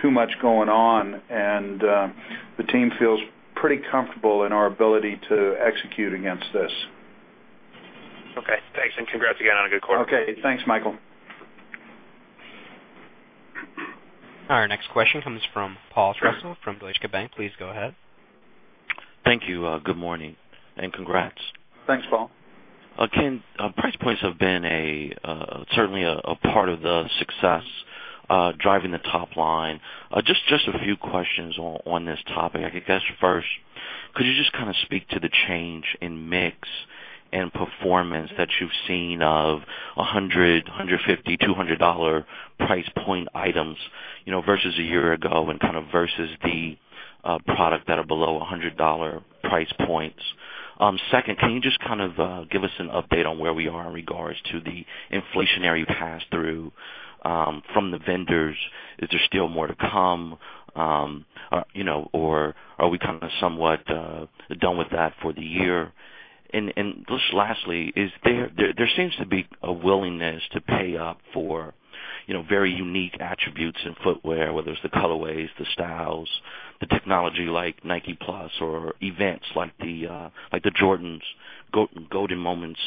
too much going on, and the team feels pretty comfortable in our ability to execute against this. Okay, thanks, congrats again on a good quarter. Okay. Thanks, Michael. Our next question comes from Paul Trussell from Deutsche Bank. Please go ahead. Thank you. Good morning and congrats. Thanks, Paul. Ken, price points have been certainly a part of the success driving the top line. Just a few questions on this topic. I guess, first, could you just kind of speak to the change in mix and performance that you've seen of 100, 150, $200 price point items versus a year ago and kind of versus the product that are below $100 price points? Second, can you just kind of give us an update on where we are in regards to the inflationary pass-through from the vendors? Is there still more to come, or are we kind of somewhat done with that for the year? Just lastly, there seems to be a willingness to pay up for very unique attributes in footwear, whether it's the colorways, the styles, the technology like Nike+ or events like the Jordan's Golden Moments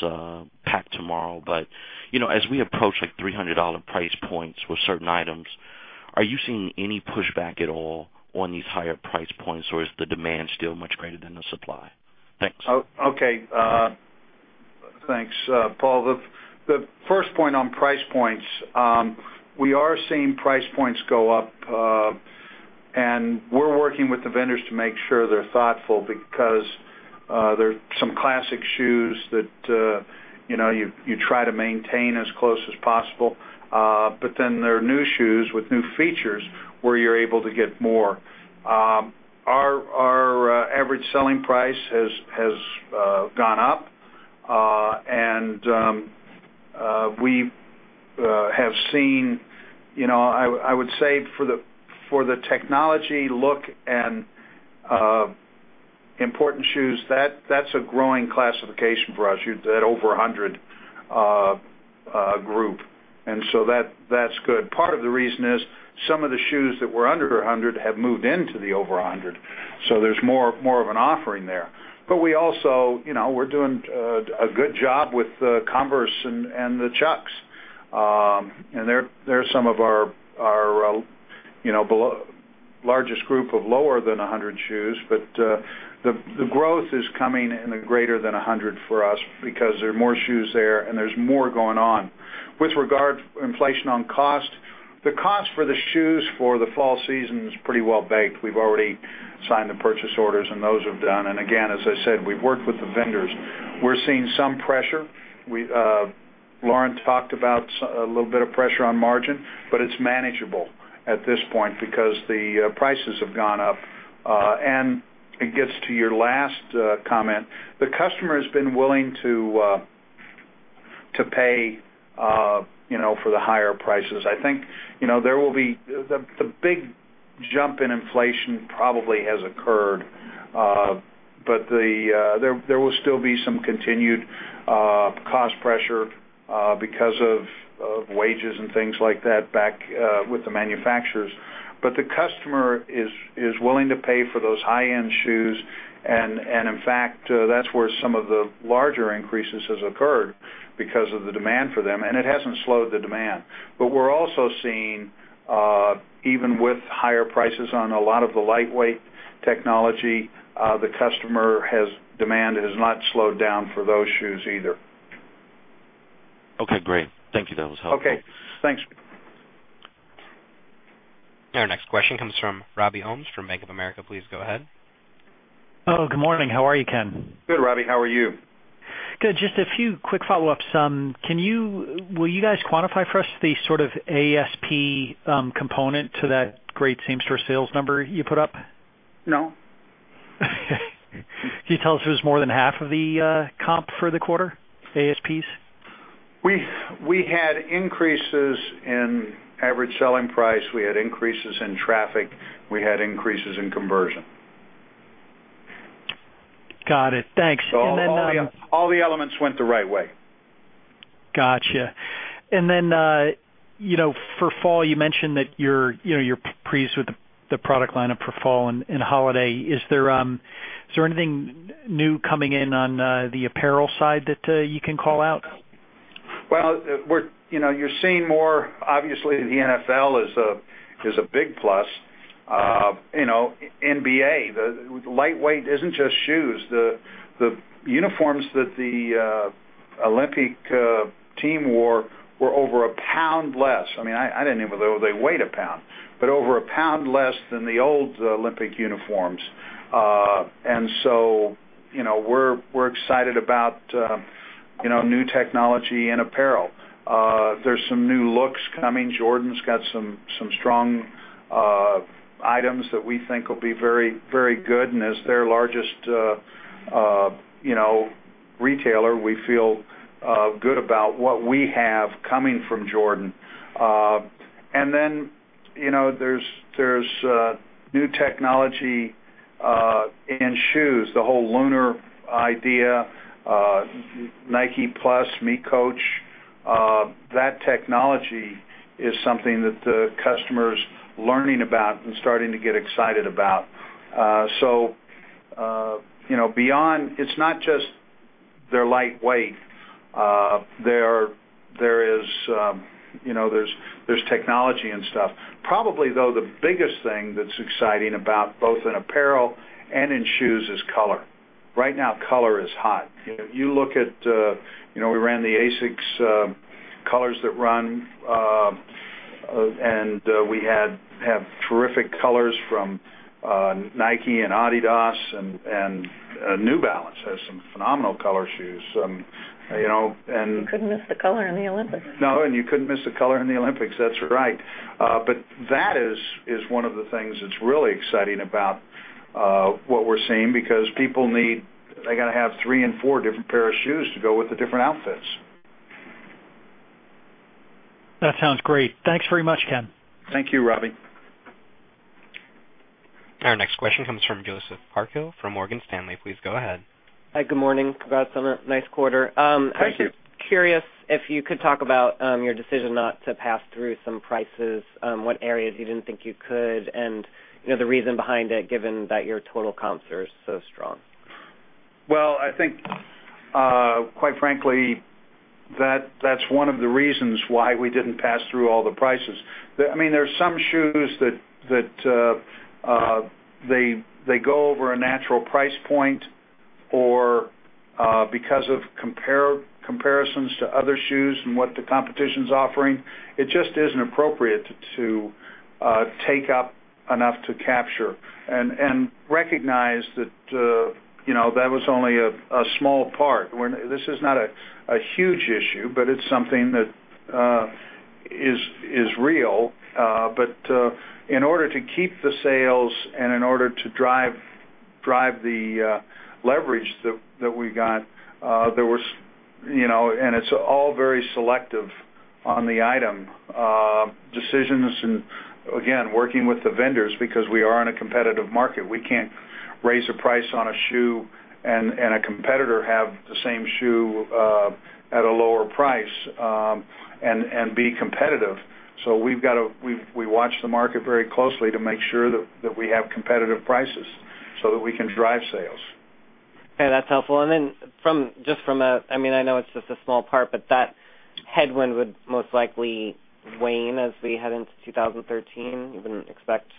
Pack tomorrow. As we approach like $300 price points with certain items, are you seeing any pushback at all on these higher price points, or is the demand still much greater than the supply? Thanks. Okay. Thanks, Paul. The first point on price points, we are seeing price points go up, we're working with the vendors to make sure they're thoughtful because there's some classic shoes that you try to maintain as close as possible. There are new shoes with new features where you're able to get more. Our average selling price has gone up, we have seen, I would say, for the technology look and important shoes, that's a growing classification for us, that over 100 group. That's good. Part of the reason is some of the shoes that were under 100 have moved into the over 100. There's more of an offering there. We're doing a good job with Converse and the Chucks. They're some of our largest group of lower than 100 shoes. The growth is coming in the greater than 100 for us because there are more shoes there and there's more going on. With regard to inflation on cost, the cost for the shoes for the fall season is pretty well baked. We've already signed the purchase orders and those are done. Again, as I said, we've worked with the vendors. We're seeing some pressure. Lauren talked about a little bit of pressure on margin, it's manageable at this point because the prices have gone up. It gets to your last comment. The customer has been willing to pay for the higher prices. I think, the big jump in inflation probably has occurred. There will still be some continued cost pressure because of wages and things like that back with the manufacturers. The customer is willing to pay for those high-end shoes, and in fact, that's where some of the larger increases have occurred because of the demand for them, and it hasn't slowed the demand. We're also seeing, even with higher prices on a lot of the lightweight technology, the customer demand has not slowed down for those shoes either. Okay, great. Thank you. That was helpful. Okay, thanks. Our next question comes from Robby Ohmes from Bank of America. Please go ahead. Good morning. How are you, Ken? Good, Robby. How are you? Good. Just a few quick follow-ups. Will you guys quantify for us the sort of ASP component to that great same-store sales number you put up? No. Can you tell us if it was more than half of the comp for the quarter, ASPs? We had increases in average selling price. We had increases in traffic. We had increases in conversion. Got it. Thanks. All the elements went the right way. Got you. Then, for fall, you mentioned that you're pleased with the product line-up for fall and holiday. Is there anything new coming in on the apparel side that you can call out? Well, you're seeing more, obviously, the NFL is a big plus. NBA, lightweight isn't just shoes. The uniforms that the Olympic team wore were over a pound less. I didn't even know they weighed a pound, but over a pound less than the old Olympic uniforms. So, we're excited about new technology and apparel. There's some new looks coming. Jordan's got some strong items that we think will be very good, and as their largest retailer, we feel good about what we have coming from Jordan. Then, there's new technology in shoes, the whole Lunar idea, Nike+, miCoach. That technology is something that the customer's learning about and starting to get excited about. Beyond, it's not just they're lightweight. There's technology and stuff. Probably, though, the biggest thing that's exciting about both in apparel and in shoes is color. Right now, color is hot. If you look at, we ran the ASICS Colors That Run, and we have terrific colors from Nike and Adidas, and New Balance has some phenomenal color shoes. You couldn't miss the color in the Olympics. No. You couldn't miss the color in the Olympics, that's right. That is one of the things that's really exciting about what we're seeing, because people need, they got to have three and four different pair of shoes to go with the different outfits. That sounds great. Thanks very much, Ken. Thank you, Robby. Our next question comes from Joseph Parkhill from Morgan Stanley. Please go ahead. Hi. Good morning. Congrats on a nice quarter. Thank you. I'm just curious if you could talk about your decision not to pass through some prices, what areas you didn't think you could, and the reason behind it, given that your total comps are so strong. I think, quite frankly, that's one of the reasons why we didn't pass through all the prices. There are some shoes that go over a natural price point or because of comparisons to other shoes and what the competition's offering, it just isn't appropriate to take up enough to capture and recognize that was only a small part. This is not a huge issue, but it's something that is real. In order to keep the sales and in order to drive the leverage that we got, and it's all very selective on the item decisions and, again, working with the vendors because we are in a competitive market. We can't raise a price on a shoe and a competitor have the same shoe at a lower price and be competitive. We watch the market very closely to make sure that we have competitive prices so that we can drive sales. Okay, that's helpful. Then, I know it's just a small part, but that headwind would most likely wane as we head into 2013. You wouldn't expect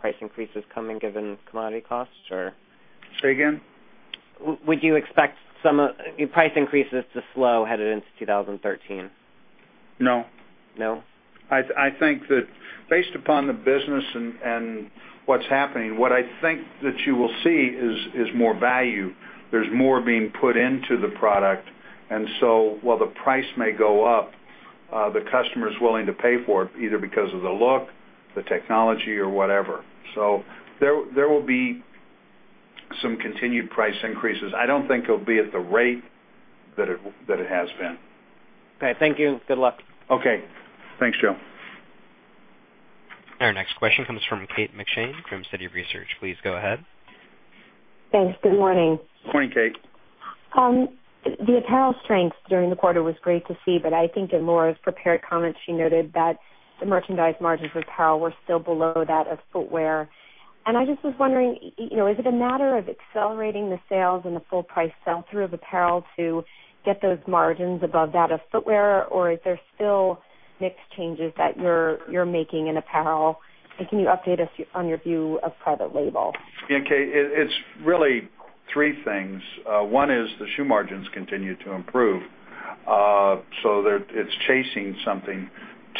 price increases coming given commodity costs or? Say again. Would you expect price increases to slow headed into 2013? No. No? I think that based upon the business and what's happening, what I think that you will see is more value. There's more being put into the product. While the price may go up, the customer's willing to pay for it either because of the look, the technology, or whatever. There will be some continued price increases. I don't think it'll be at the rate that it has been. Okay, thank you. Good luck. Okay. Thanks, Joe. Our next question comes from Kate McShane from Citi Research. Please go ahead. Thanks. Good morning. Morning, Kate. The apparel strength during the quarter was great to see. I think in Lauren's prepared comments, she noted that the merchandise margins for apparel were still below that of footwear. I just was wondering, is it a matter of accelerating the sales and the full price sell-through of apparel to get those margins above that of footwear, or is there still mix changes that you're making in apparel? Can you update us on your view of private label? Yeah, Kate, it's really three things. One is the shoe margins continue to improve. It's chasing something.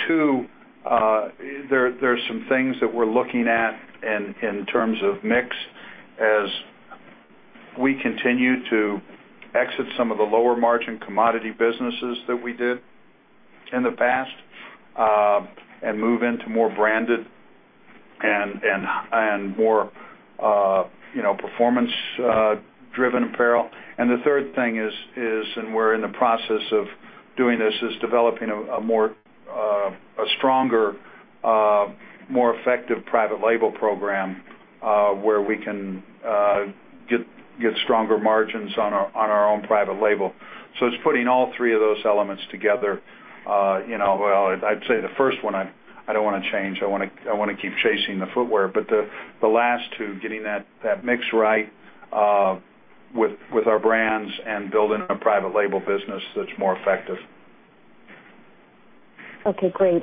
Two, there's some things that we're looking at in terms of mix as we continue to exit some of the lower margin commodity businesses that we did in the past and move into more branded and more performance-driven apparel. The third thing is, and we're in the process of doing this, is developing a stronger, more effective private label program where we can get stronger margins on our own private label. It's putting all three of those elements together. Well, I'd say the first one, I don't want to change. I want to keep chasing the footwear. The last two, getting that mix right with our brands and building a private label business that's more effective. Okay, great.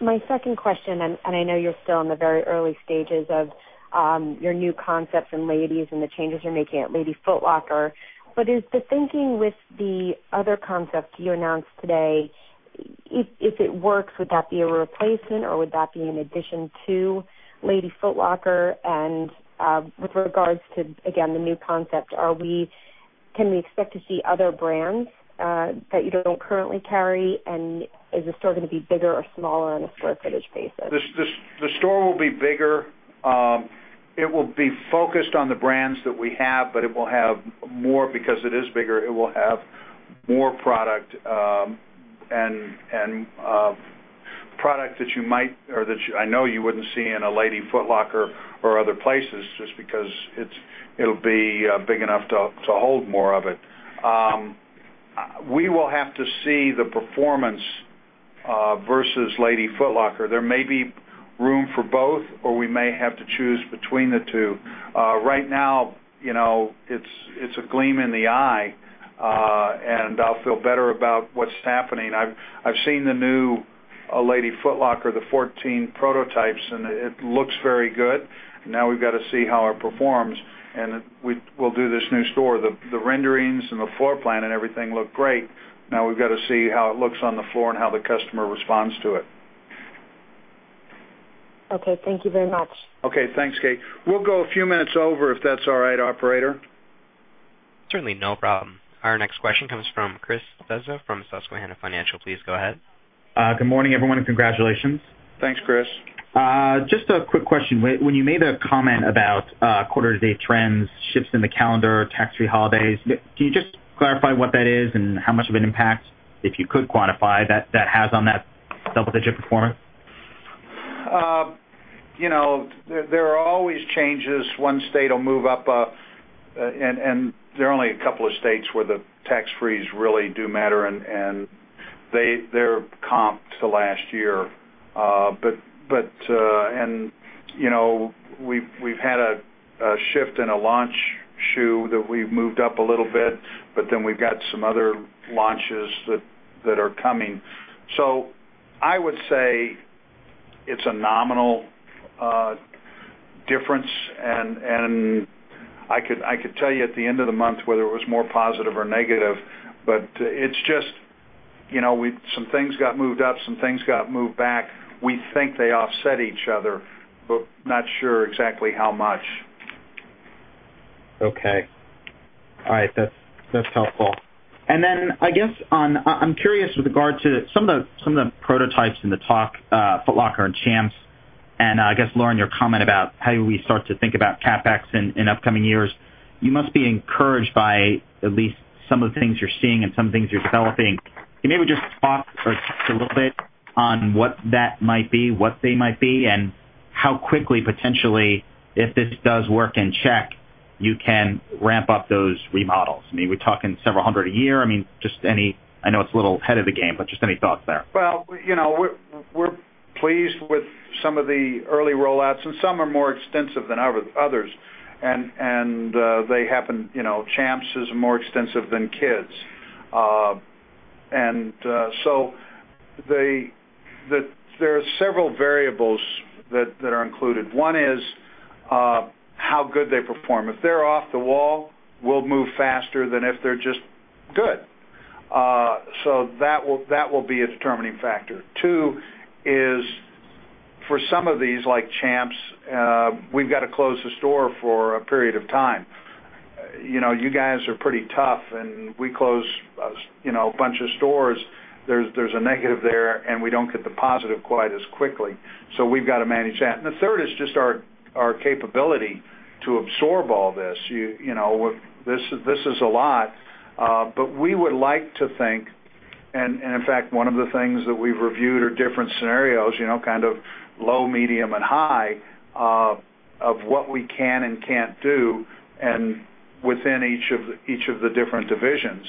My second question, I know you're still in the very early stages of your new concepts in ladies and the changes you're making at Lady Foot Locker, is the thinking with the other concepts you announced today, if it works, would that be a replacement or would that be an addition to Lady Foot Locker? With regards to, again, the new concept, can we expect to see other brands that you don't currently carry? Is the store going to be bigger or smaller on a square footage basis? The store will be bigger. It will be focused on the brands that we have, because it is bigger, it will have more product and product that I know you wouldn't see in a Lady Foot Locker or other places just because it'll be big enough to hold more of it. We will have to see the performance versus Lady Foot Locker. There may be room for both, or we may have to choose between the two. Right now, it's a gleam in the eye, I'll feel better about what's happening. I've seen the new Lady Foot Locker, the 14 prototypes, it looks very good. We've got to see how it performs, we'll do this new store. The renderings and the floor plan and everything look great. We've got to see how it looks on the floor, how the customer responds to it. Okay. Thank you very much. Okay. Thanks, Kate. We'll go a few minutes over if that's all right, operator. Certainly. No problem. Our next question comes from Chris Svezia from Susquehanna Financial. Please go ahead. Good morning, everyone, and congratulations. Thanks, Chris. Just a quick question. When you made a comment about quarter-to-date trends, shifts in the calendar, tax-free holidays, can you just clarify what that is and how much of an impact, if you could quantify, that has on that double-digit performance? There are always changes. One state will move up, and there are only a couple of states where the tax-free really do matter, and they're comped to last year. We've had a shift in a launch shoe that we've moved up a little bit, but then we've got some other launches that are coming. I would say it's a nominal difference, and I could tell you at the end of the month whether it was more positive or negative, but it's just some things got moved up, some things got moved back. We think they offset each other, but not sure exactly how much. Okay. All right. That's helpful. I'm curious with regard to some of the prototypes in the talk, Foot Locker and Champs, and I guess, Lauren, your comment about how we start to think about CapEx in upcoming years. You must be encouraged by at least some of the things you're seeing and some things you're developing. Can you maybe just talk a little bit on what that might be, what they might be, and how quickly, potentially, if this does work in check, you can ramp up those remodels. We're talking several hundred a year. I know it's a little ahead of the game, but just any thoughts there. Well, we're pleased with some of the early rollouts, and some are more extensive than others. They happen, Champs is more extensive than Kids. There are several variables that are included. One is how good they perform. If they're off the wall, we'll move faster than if they're just good. That will be a determining factor. Two is for some of these, like Champs, we've got to close the store for a period of time. You guys are pretty tough, and we close a bunch of stores. There's a negative there, and we don't get the positive quite as quickly. We've got to manage that. The third is just our capability to absorb all this. This is a lot. We would like to think, and in fact, one of the things that we've reviewed are different scenarios, kind of low, medium, and high of what we can and can't do and within each of the different divisions.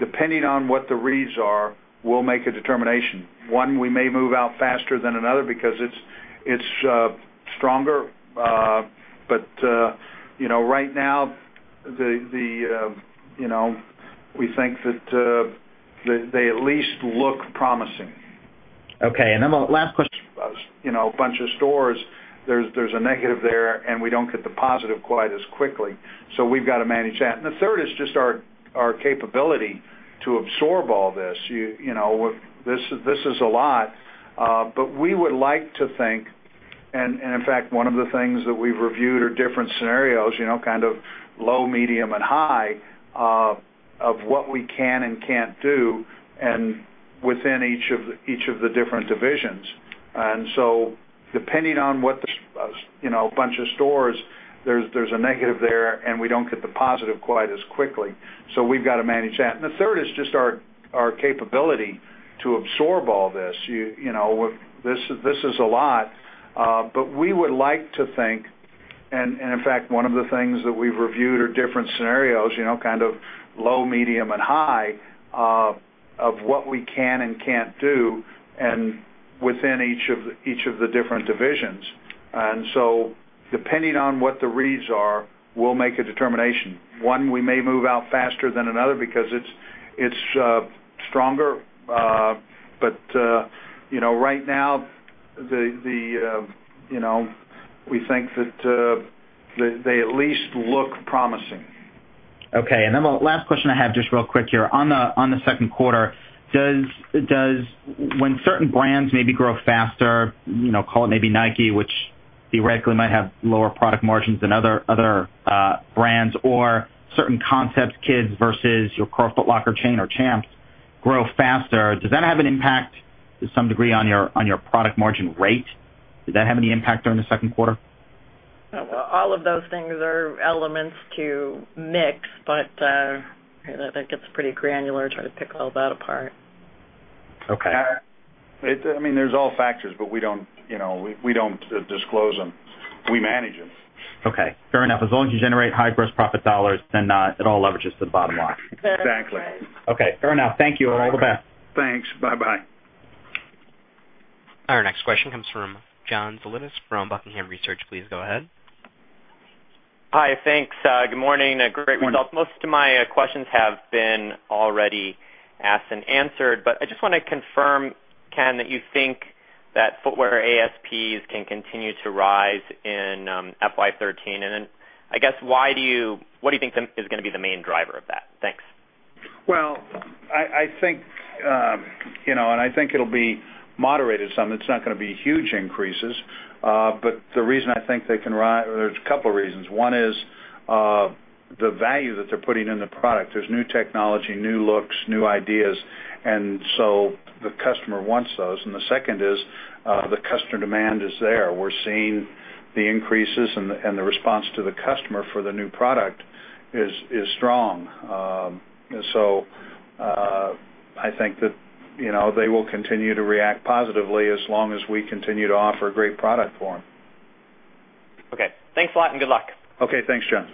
Depending on what the reads are, we'll make a determination. One, we may move out faster than another because it's stronger. Right now, we think that they at least look promising. Okay. Last question. A bunch of stores, there's a negative there, and we don't get the positive quite as quickly. We've got to manage that. The third is just our capability to absorb all this. This is a lot. We would like to think, and in fact, one of the things that we've reviewed are different scenarios, kind of low, medium, and high, of what we can and can't do within each of the different divisions. A bunch of stores, there's a negative there, and we don't get the positive quite as quickly. We've got to manage that. The third is just our capability to absorb all this. This is a lot. We would like to think, and in fact, one of the things that we've reviewed are different scenarios, kind of low, medium, and high, of what we can and can't do within each of the different divisions. Depending on what the reads are, we'll make a determination. One, we may move out faster than another because it's stronger. Right now, we think that they at least look promising. The last question I have, just real quick here. On the second quarter, when certain brands maybe grow faster, call it maybe Nike, which theoretically might have lower product margins than other brands or certain concepts, Kids versus your core Foot Locker chain or Champs, grow faster, does that have an impact to some degree on your product margin rate? Did that have any impact during the second quarter? All of those things are elements to mix, that gets pretty granular, trying to pick all that apart. Okay. There's all factors, we don't disclose them. We manage them. Okay. Fair enough. As long as you generate high gross profit dollars, it all leverages to the bottom line. Exactly. That's right. Okay. Fair enough. Thank you. All the best. Thanks. Bye bye. Our next question comes from John Zolidis from The Buckingham Research Group. Please go ahead. Hi, thanks. Good morning. Great results. Most of my questions have been already asked and answered. I just want to confirm, Ken, that you think that footwear ASPs can continue to rise in FY 2013. I guess, what do you think is going to be the main driver of that? Thanks. Well, I think it'll be moderated some. It's not going to be huge increases. The reason I think they can rise-- there's a couple of reasons. One is the value that they're putting in the product. There's new technology, new looks, new ideas, and so the customer wants those. The second is the customer demand is there. We're seeing the increases and the response to the customer for the new product is strong. I think that they will continue to react positively as long as we continue to offer a great product for them. Okay. Thanks a lot and good luck. Okay. Thanks, John.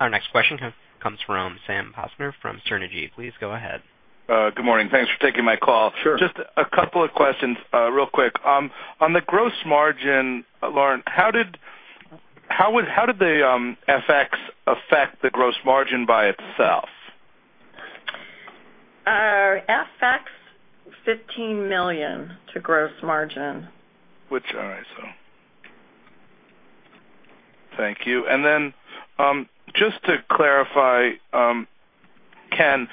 Our next question comes from Sam Poser from Sterne Agee. Please go ahead. Good morning. Thanks for taking my call. Sure. Just a couple of questions real quick. On the gross margin, Lauren, how did the FX affect the gross margin by itself? FX, $15 million to gross margin. Thank you. Just to clarify, Ken,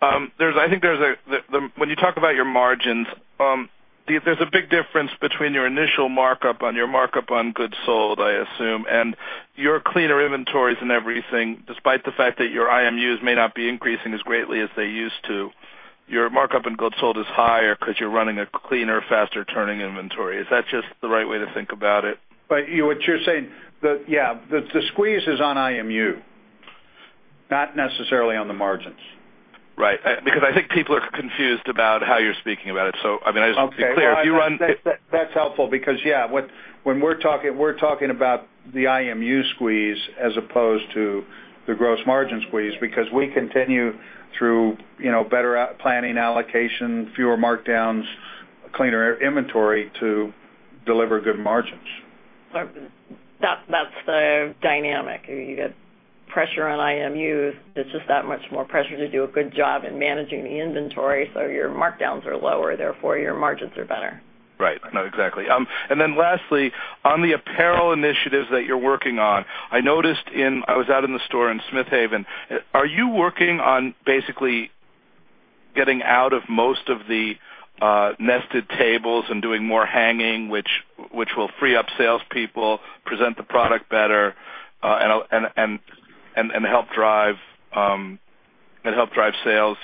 when you talk about your margins, there's a big difference between your initial markup on your markup on goods sold, I assume, and your cleaner inventories and everything. Despite the fact that your IMUs may not be increasing as greatly as they used to, your markup on goods sold is higher because you're running a cleaner, faster turning inventory. Is that just the right way to think about it? What you're saying, the squeeze is on IMU, not necessarily on the margins. Right. I think people are confused about how you're speaking about it. I just, to be clear. That's helpful because when we're talking, we're talking about the IMU squeeze as opposed to the gross margin squeeze because we continue through better planning allocation, fewer markdowns, cleaner inventory to deliver good margins. That's the dynamic. You get pressure on IMUs. It's just that much more pressure to do a good job in managing the inventory so your markdowns are lower, therefore your margins are better. Right. No, exactly. Lastly, on the apparel initiatives that you're working on, I was out in the store in Smith Haven. Are you working on basically getting out of most of the nested tables and doing more hanging, which will free up salespeople, present the product better, and help drive better sales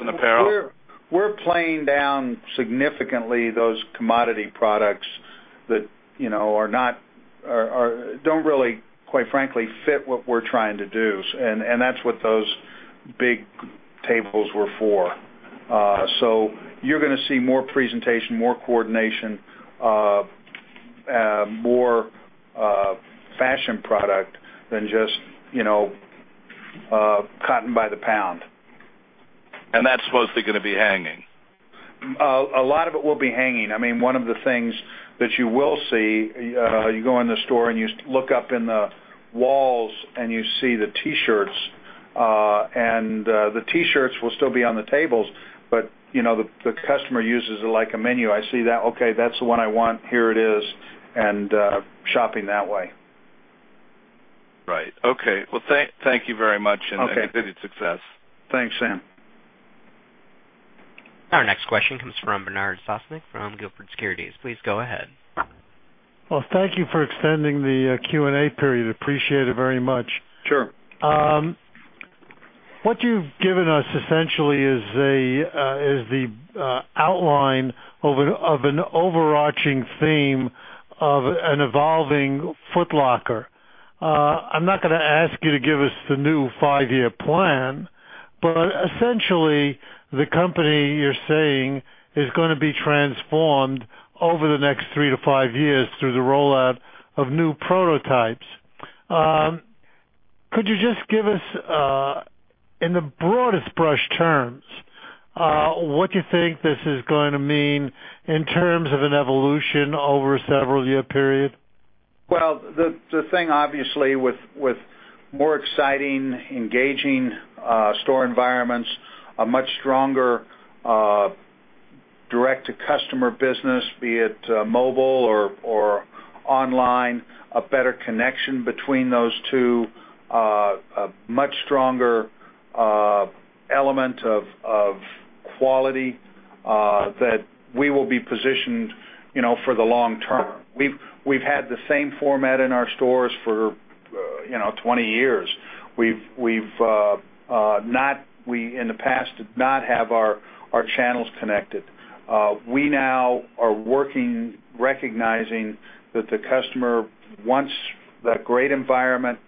in apparel? We're playing down significantly those commodity products that don't really, quite frankly, fit what we're trying to do. That's what those big tables were for. You're going to see more presentation, more coordination, more fashion product than just cotton by the pound. That's mostly going to be hanging? A lot of it will be hanging. One of the things that you will see, you go in the store and you look up in the walls and you see the T-shirts. The T-shirts will still be on the tables, but the customer uses it like a menu. I see that, okay, that's the one I want, here it is, and shopping that way. Right. Okay. Well, thank you very much and- Okay. -continued success. Thanks, Sam. Our next question comes from Bernard Sosnick from Gilford Securities. Please go ahead. Well, thank you for extending the Q&A period. Appreciate it very much. Sure. What you've given us essentially is the outline of an overarching theme of an evolving Foot Locker. I'm not going to ask you to give us the new five-year plan, but essentially, the company, you're saying, is going to be transformed over the next three to five years through the rollout of new prototypes. Could you just give us, in the broadest brush terms, what you think this is going to mean in terms of an evolution over a several-year period? Well, the thing, obviously, with more exciting, engaging store environments, a much stronger direct-to-customer business, be it mobile or online, a better connection between those two, a much stronger element of quality that we will be positioned for the long term. We've had the same format in our stores for 20 years. We, in the past, did not have our channels connected. We now are working, recognizing that the customer wants that great environment,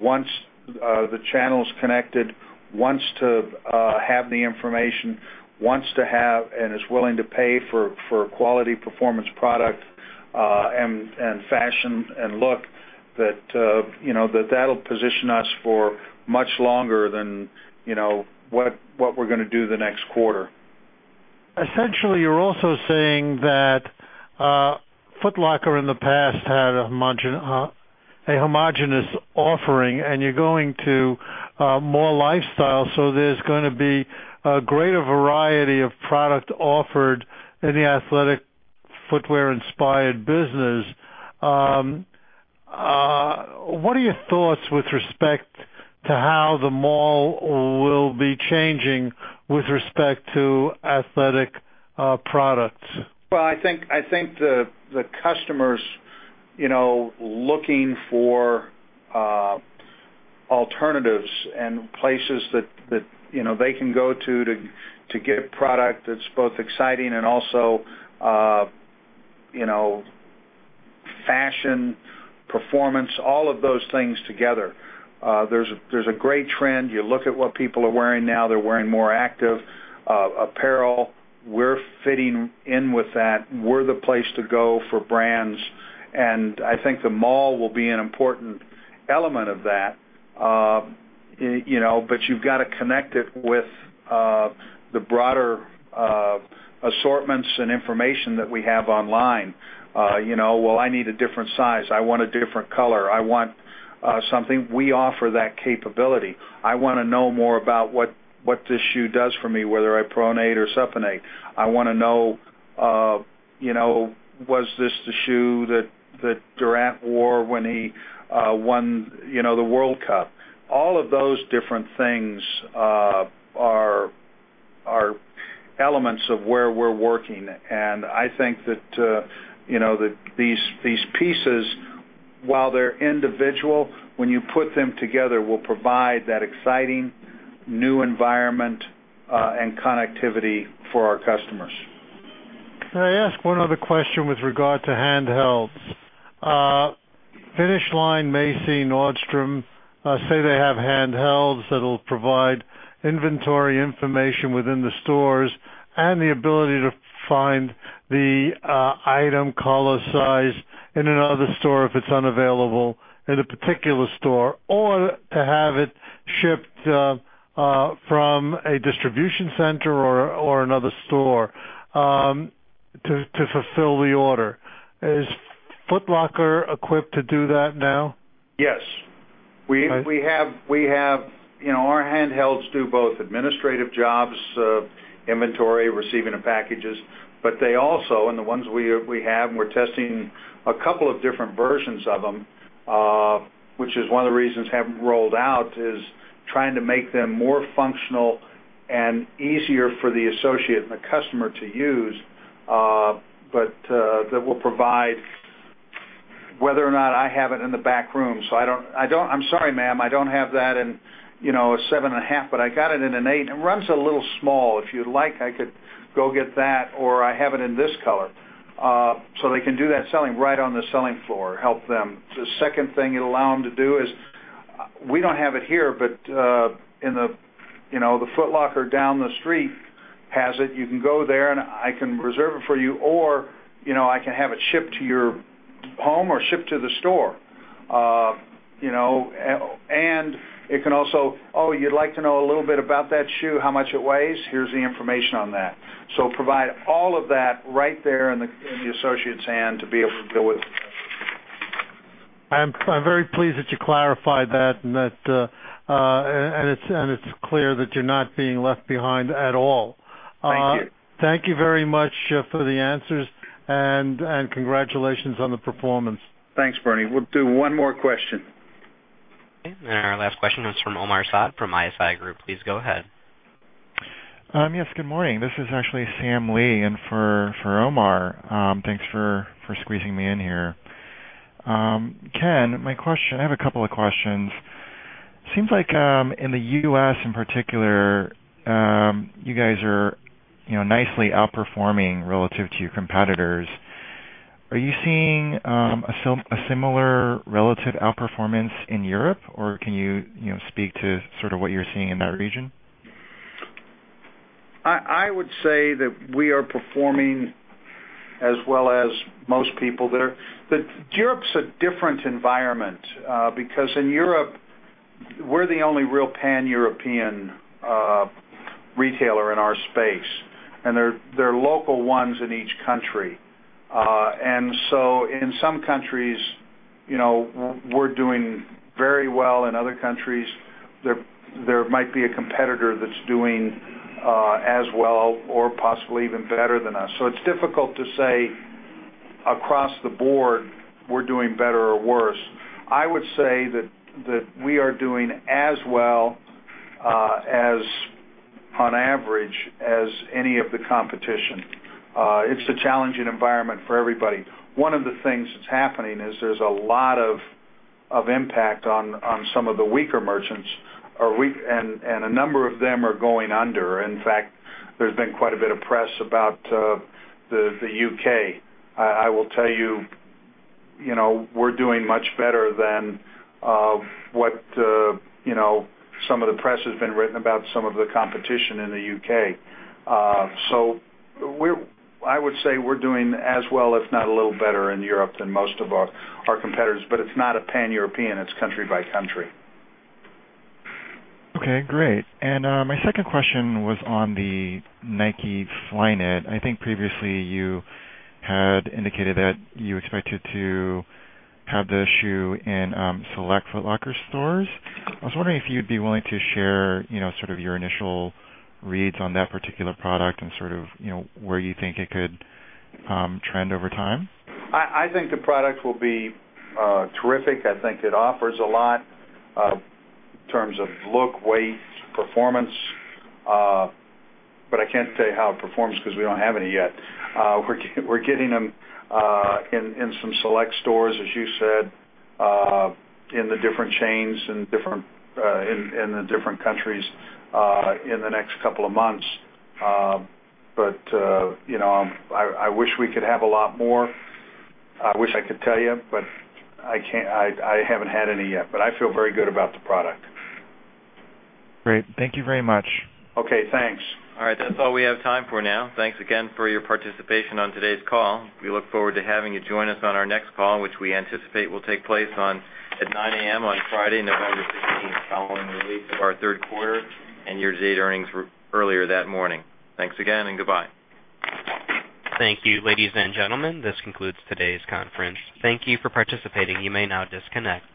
wants the channels connected, wants to have the information, wants to have and is willing to pay for a quality performance product and fashion and look that will position us for much longer than what we're going to do the next quarter. Essentially, you're also saying that Foot Locker, in the past, had a homogenous offering, and you're going to more lifestyle, so there's going to be a greater variety of product offered in the athletic footwear-inspired business. What are your thoughts with respect to how the mall will be changing with respect to athletic products? Well, I think the customer's looking for alternatives and places that they can go to get product that's both exciting and also fashion, performance, all of those things together. There's a great trend. You look at what people are wearing now, they're wearing more active apparel. We're fitting in with that. We're the place to go for brands, and I think the mall will be an important element of that. You've got to connect it with the broader assortments and information that we have online. Well, I need a different size. I want a different color. I want something. We offer that capability. I want to know more about what this shoe does for me, whether I pronate or supinate. I want to know, was this the shoe that Durant wore when he won the World Cup? All of those different things are elements of where we're working, and I think that these pieces, while they're individual, when you put them together, will provide that exciting new environment and connectivity for our customers. Can I ask one other question with regard to handhelds? Finish Line, Macy's, Nordstrom say they have handhelds that'll provide inventory information within the stores and the ability to find the item, color, size in another store if it's unavailable in a particular store, or to have it shipped from a distribution center or another store to fulfill the order. Is Foot Locker equipped to do that now? Yes. Okay. Our handhelds do both administrative jobs, inventory, receiving of packages, but they also, and the ones we have, and we're testing a couple of different versions of them, which is one of the reasons haven't rolled out is trying to make them more functional and easier for the associate and the customer to use. That will provide whether or not I have it in the back room. I don't-- "I'm sorry, ma'am, I don't have that in a 7 and a half, but I got it in an 8. It runs a little small. If you'd like, I could go get that, or I have it in this color." They can do that selling right on the selling floor, help them. The second thing it'll allow them to do is, we don't have it here, but in the Foot Locker down the street has it. You can go there, and I can reserve it for you, or I can have it shipped to your home or ship to the store. It can also, you'd like to know a little bit about that shoe, how much it weighs? Here's the information on that. Provide all of that right there in the associate's hand to be able to go with the customer. I'm very pleased that you clarified that and it's clear that you're not being left behind at all. Thank you. Thank you very much for the answers and congratulations on the performance. Thanks, Bernie. We'll do one more question. Okay. Our last question is from Omar Saad from ISI Group. Please go ahead. Yes, good morning. This is actually Sam Lee in for Omar. Thanks for squeezing me in here. Ken, I have a couple of questions. Seems like in the U.S. in particular, you guys are nicely outperforming relative to your competitors. Are you seeing a similar relative outperformance in Europe or can you speak to sort of what you're seeing in that region? I would say that we are performing as well as most people there. Europe's a different environment because in Europe, we're the only real pan-European retailer in our space, and there are local ones in each country. In some countries, we're doing very well. In other countries, there might be a competitor that's doing as well or possibly even better than us. It's difficult to say across the board we're doing better or worse. I would say that we are doing as well as, on average, as any of the competition. It's a challenging environment for everybody. One of the things that's happening is there's a lot of impact on some of the weaker merchants and a number of them are going under. In fact, there's been quite a bit of press about the U.K. I will tell you, we're doing much better than what some of the press has been written about some of the competition in the U.K. I would say we're doing as well, if not a little better, in Europe than most of our competitors, but it's not a pan-European. It's country by country. Okay, great. My second question was on the Nike Flyknit. I think previously you had indicated that you expected to have the shoe in select Foot Locker stores. I was wondering if you'd be willing to share sort of your initial reads on that particular product and sort of where you think it could trend over time. I think the product will be terrific. I think it offers a lot in terms of look, weight, performance. I can't tell you how it performs because we don't have any yet. We're getting them in some select stores, as you said, in the different chains, in the different countries in the next couple of months. I wish we could have a lot more. I wish I could tell you, but I haven't had any yet. I feel very good about the product. Great. Thank you very much. Okay, thanks. All right. That's all we have time for now. Thanks again for your participation on today's call. We look forward to having you join us on our next call, which we anticipate will take place at 9:00 A.M. on Friday, November 16th, following the release of our third quarter and year-to-date earnings earlier that morning. Thanks again and goodbye. Thank you, ladies and gentlemen. This concludes today's conference. Thank you for participating. You may now disconnect.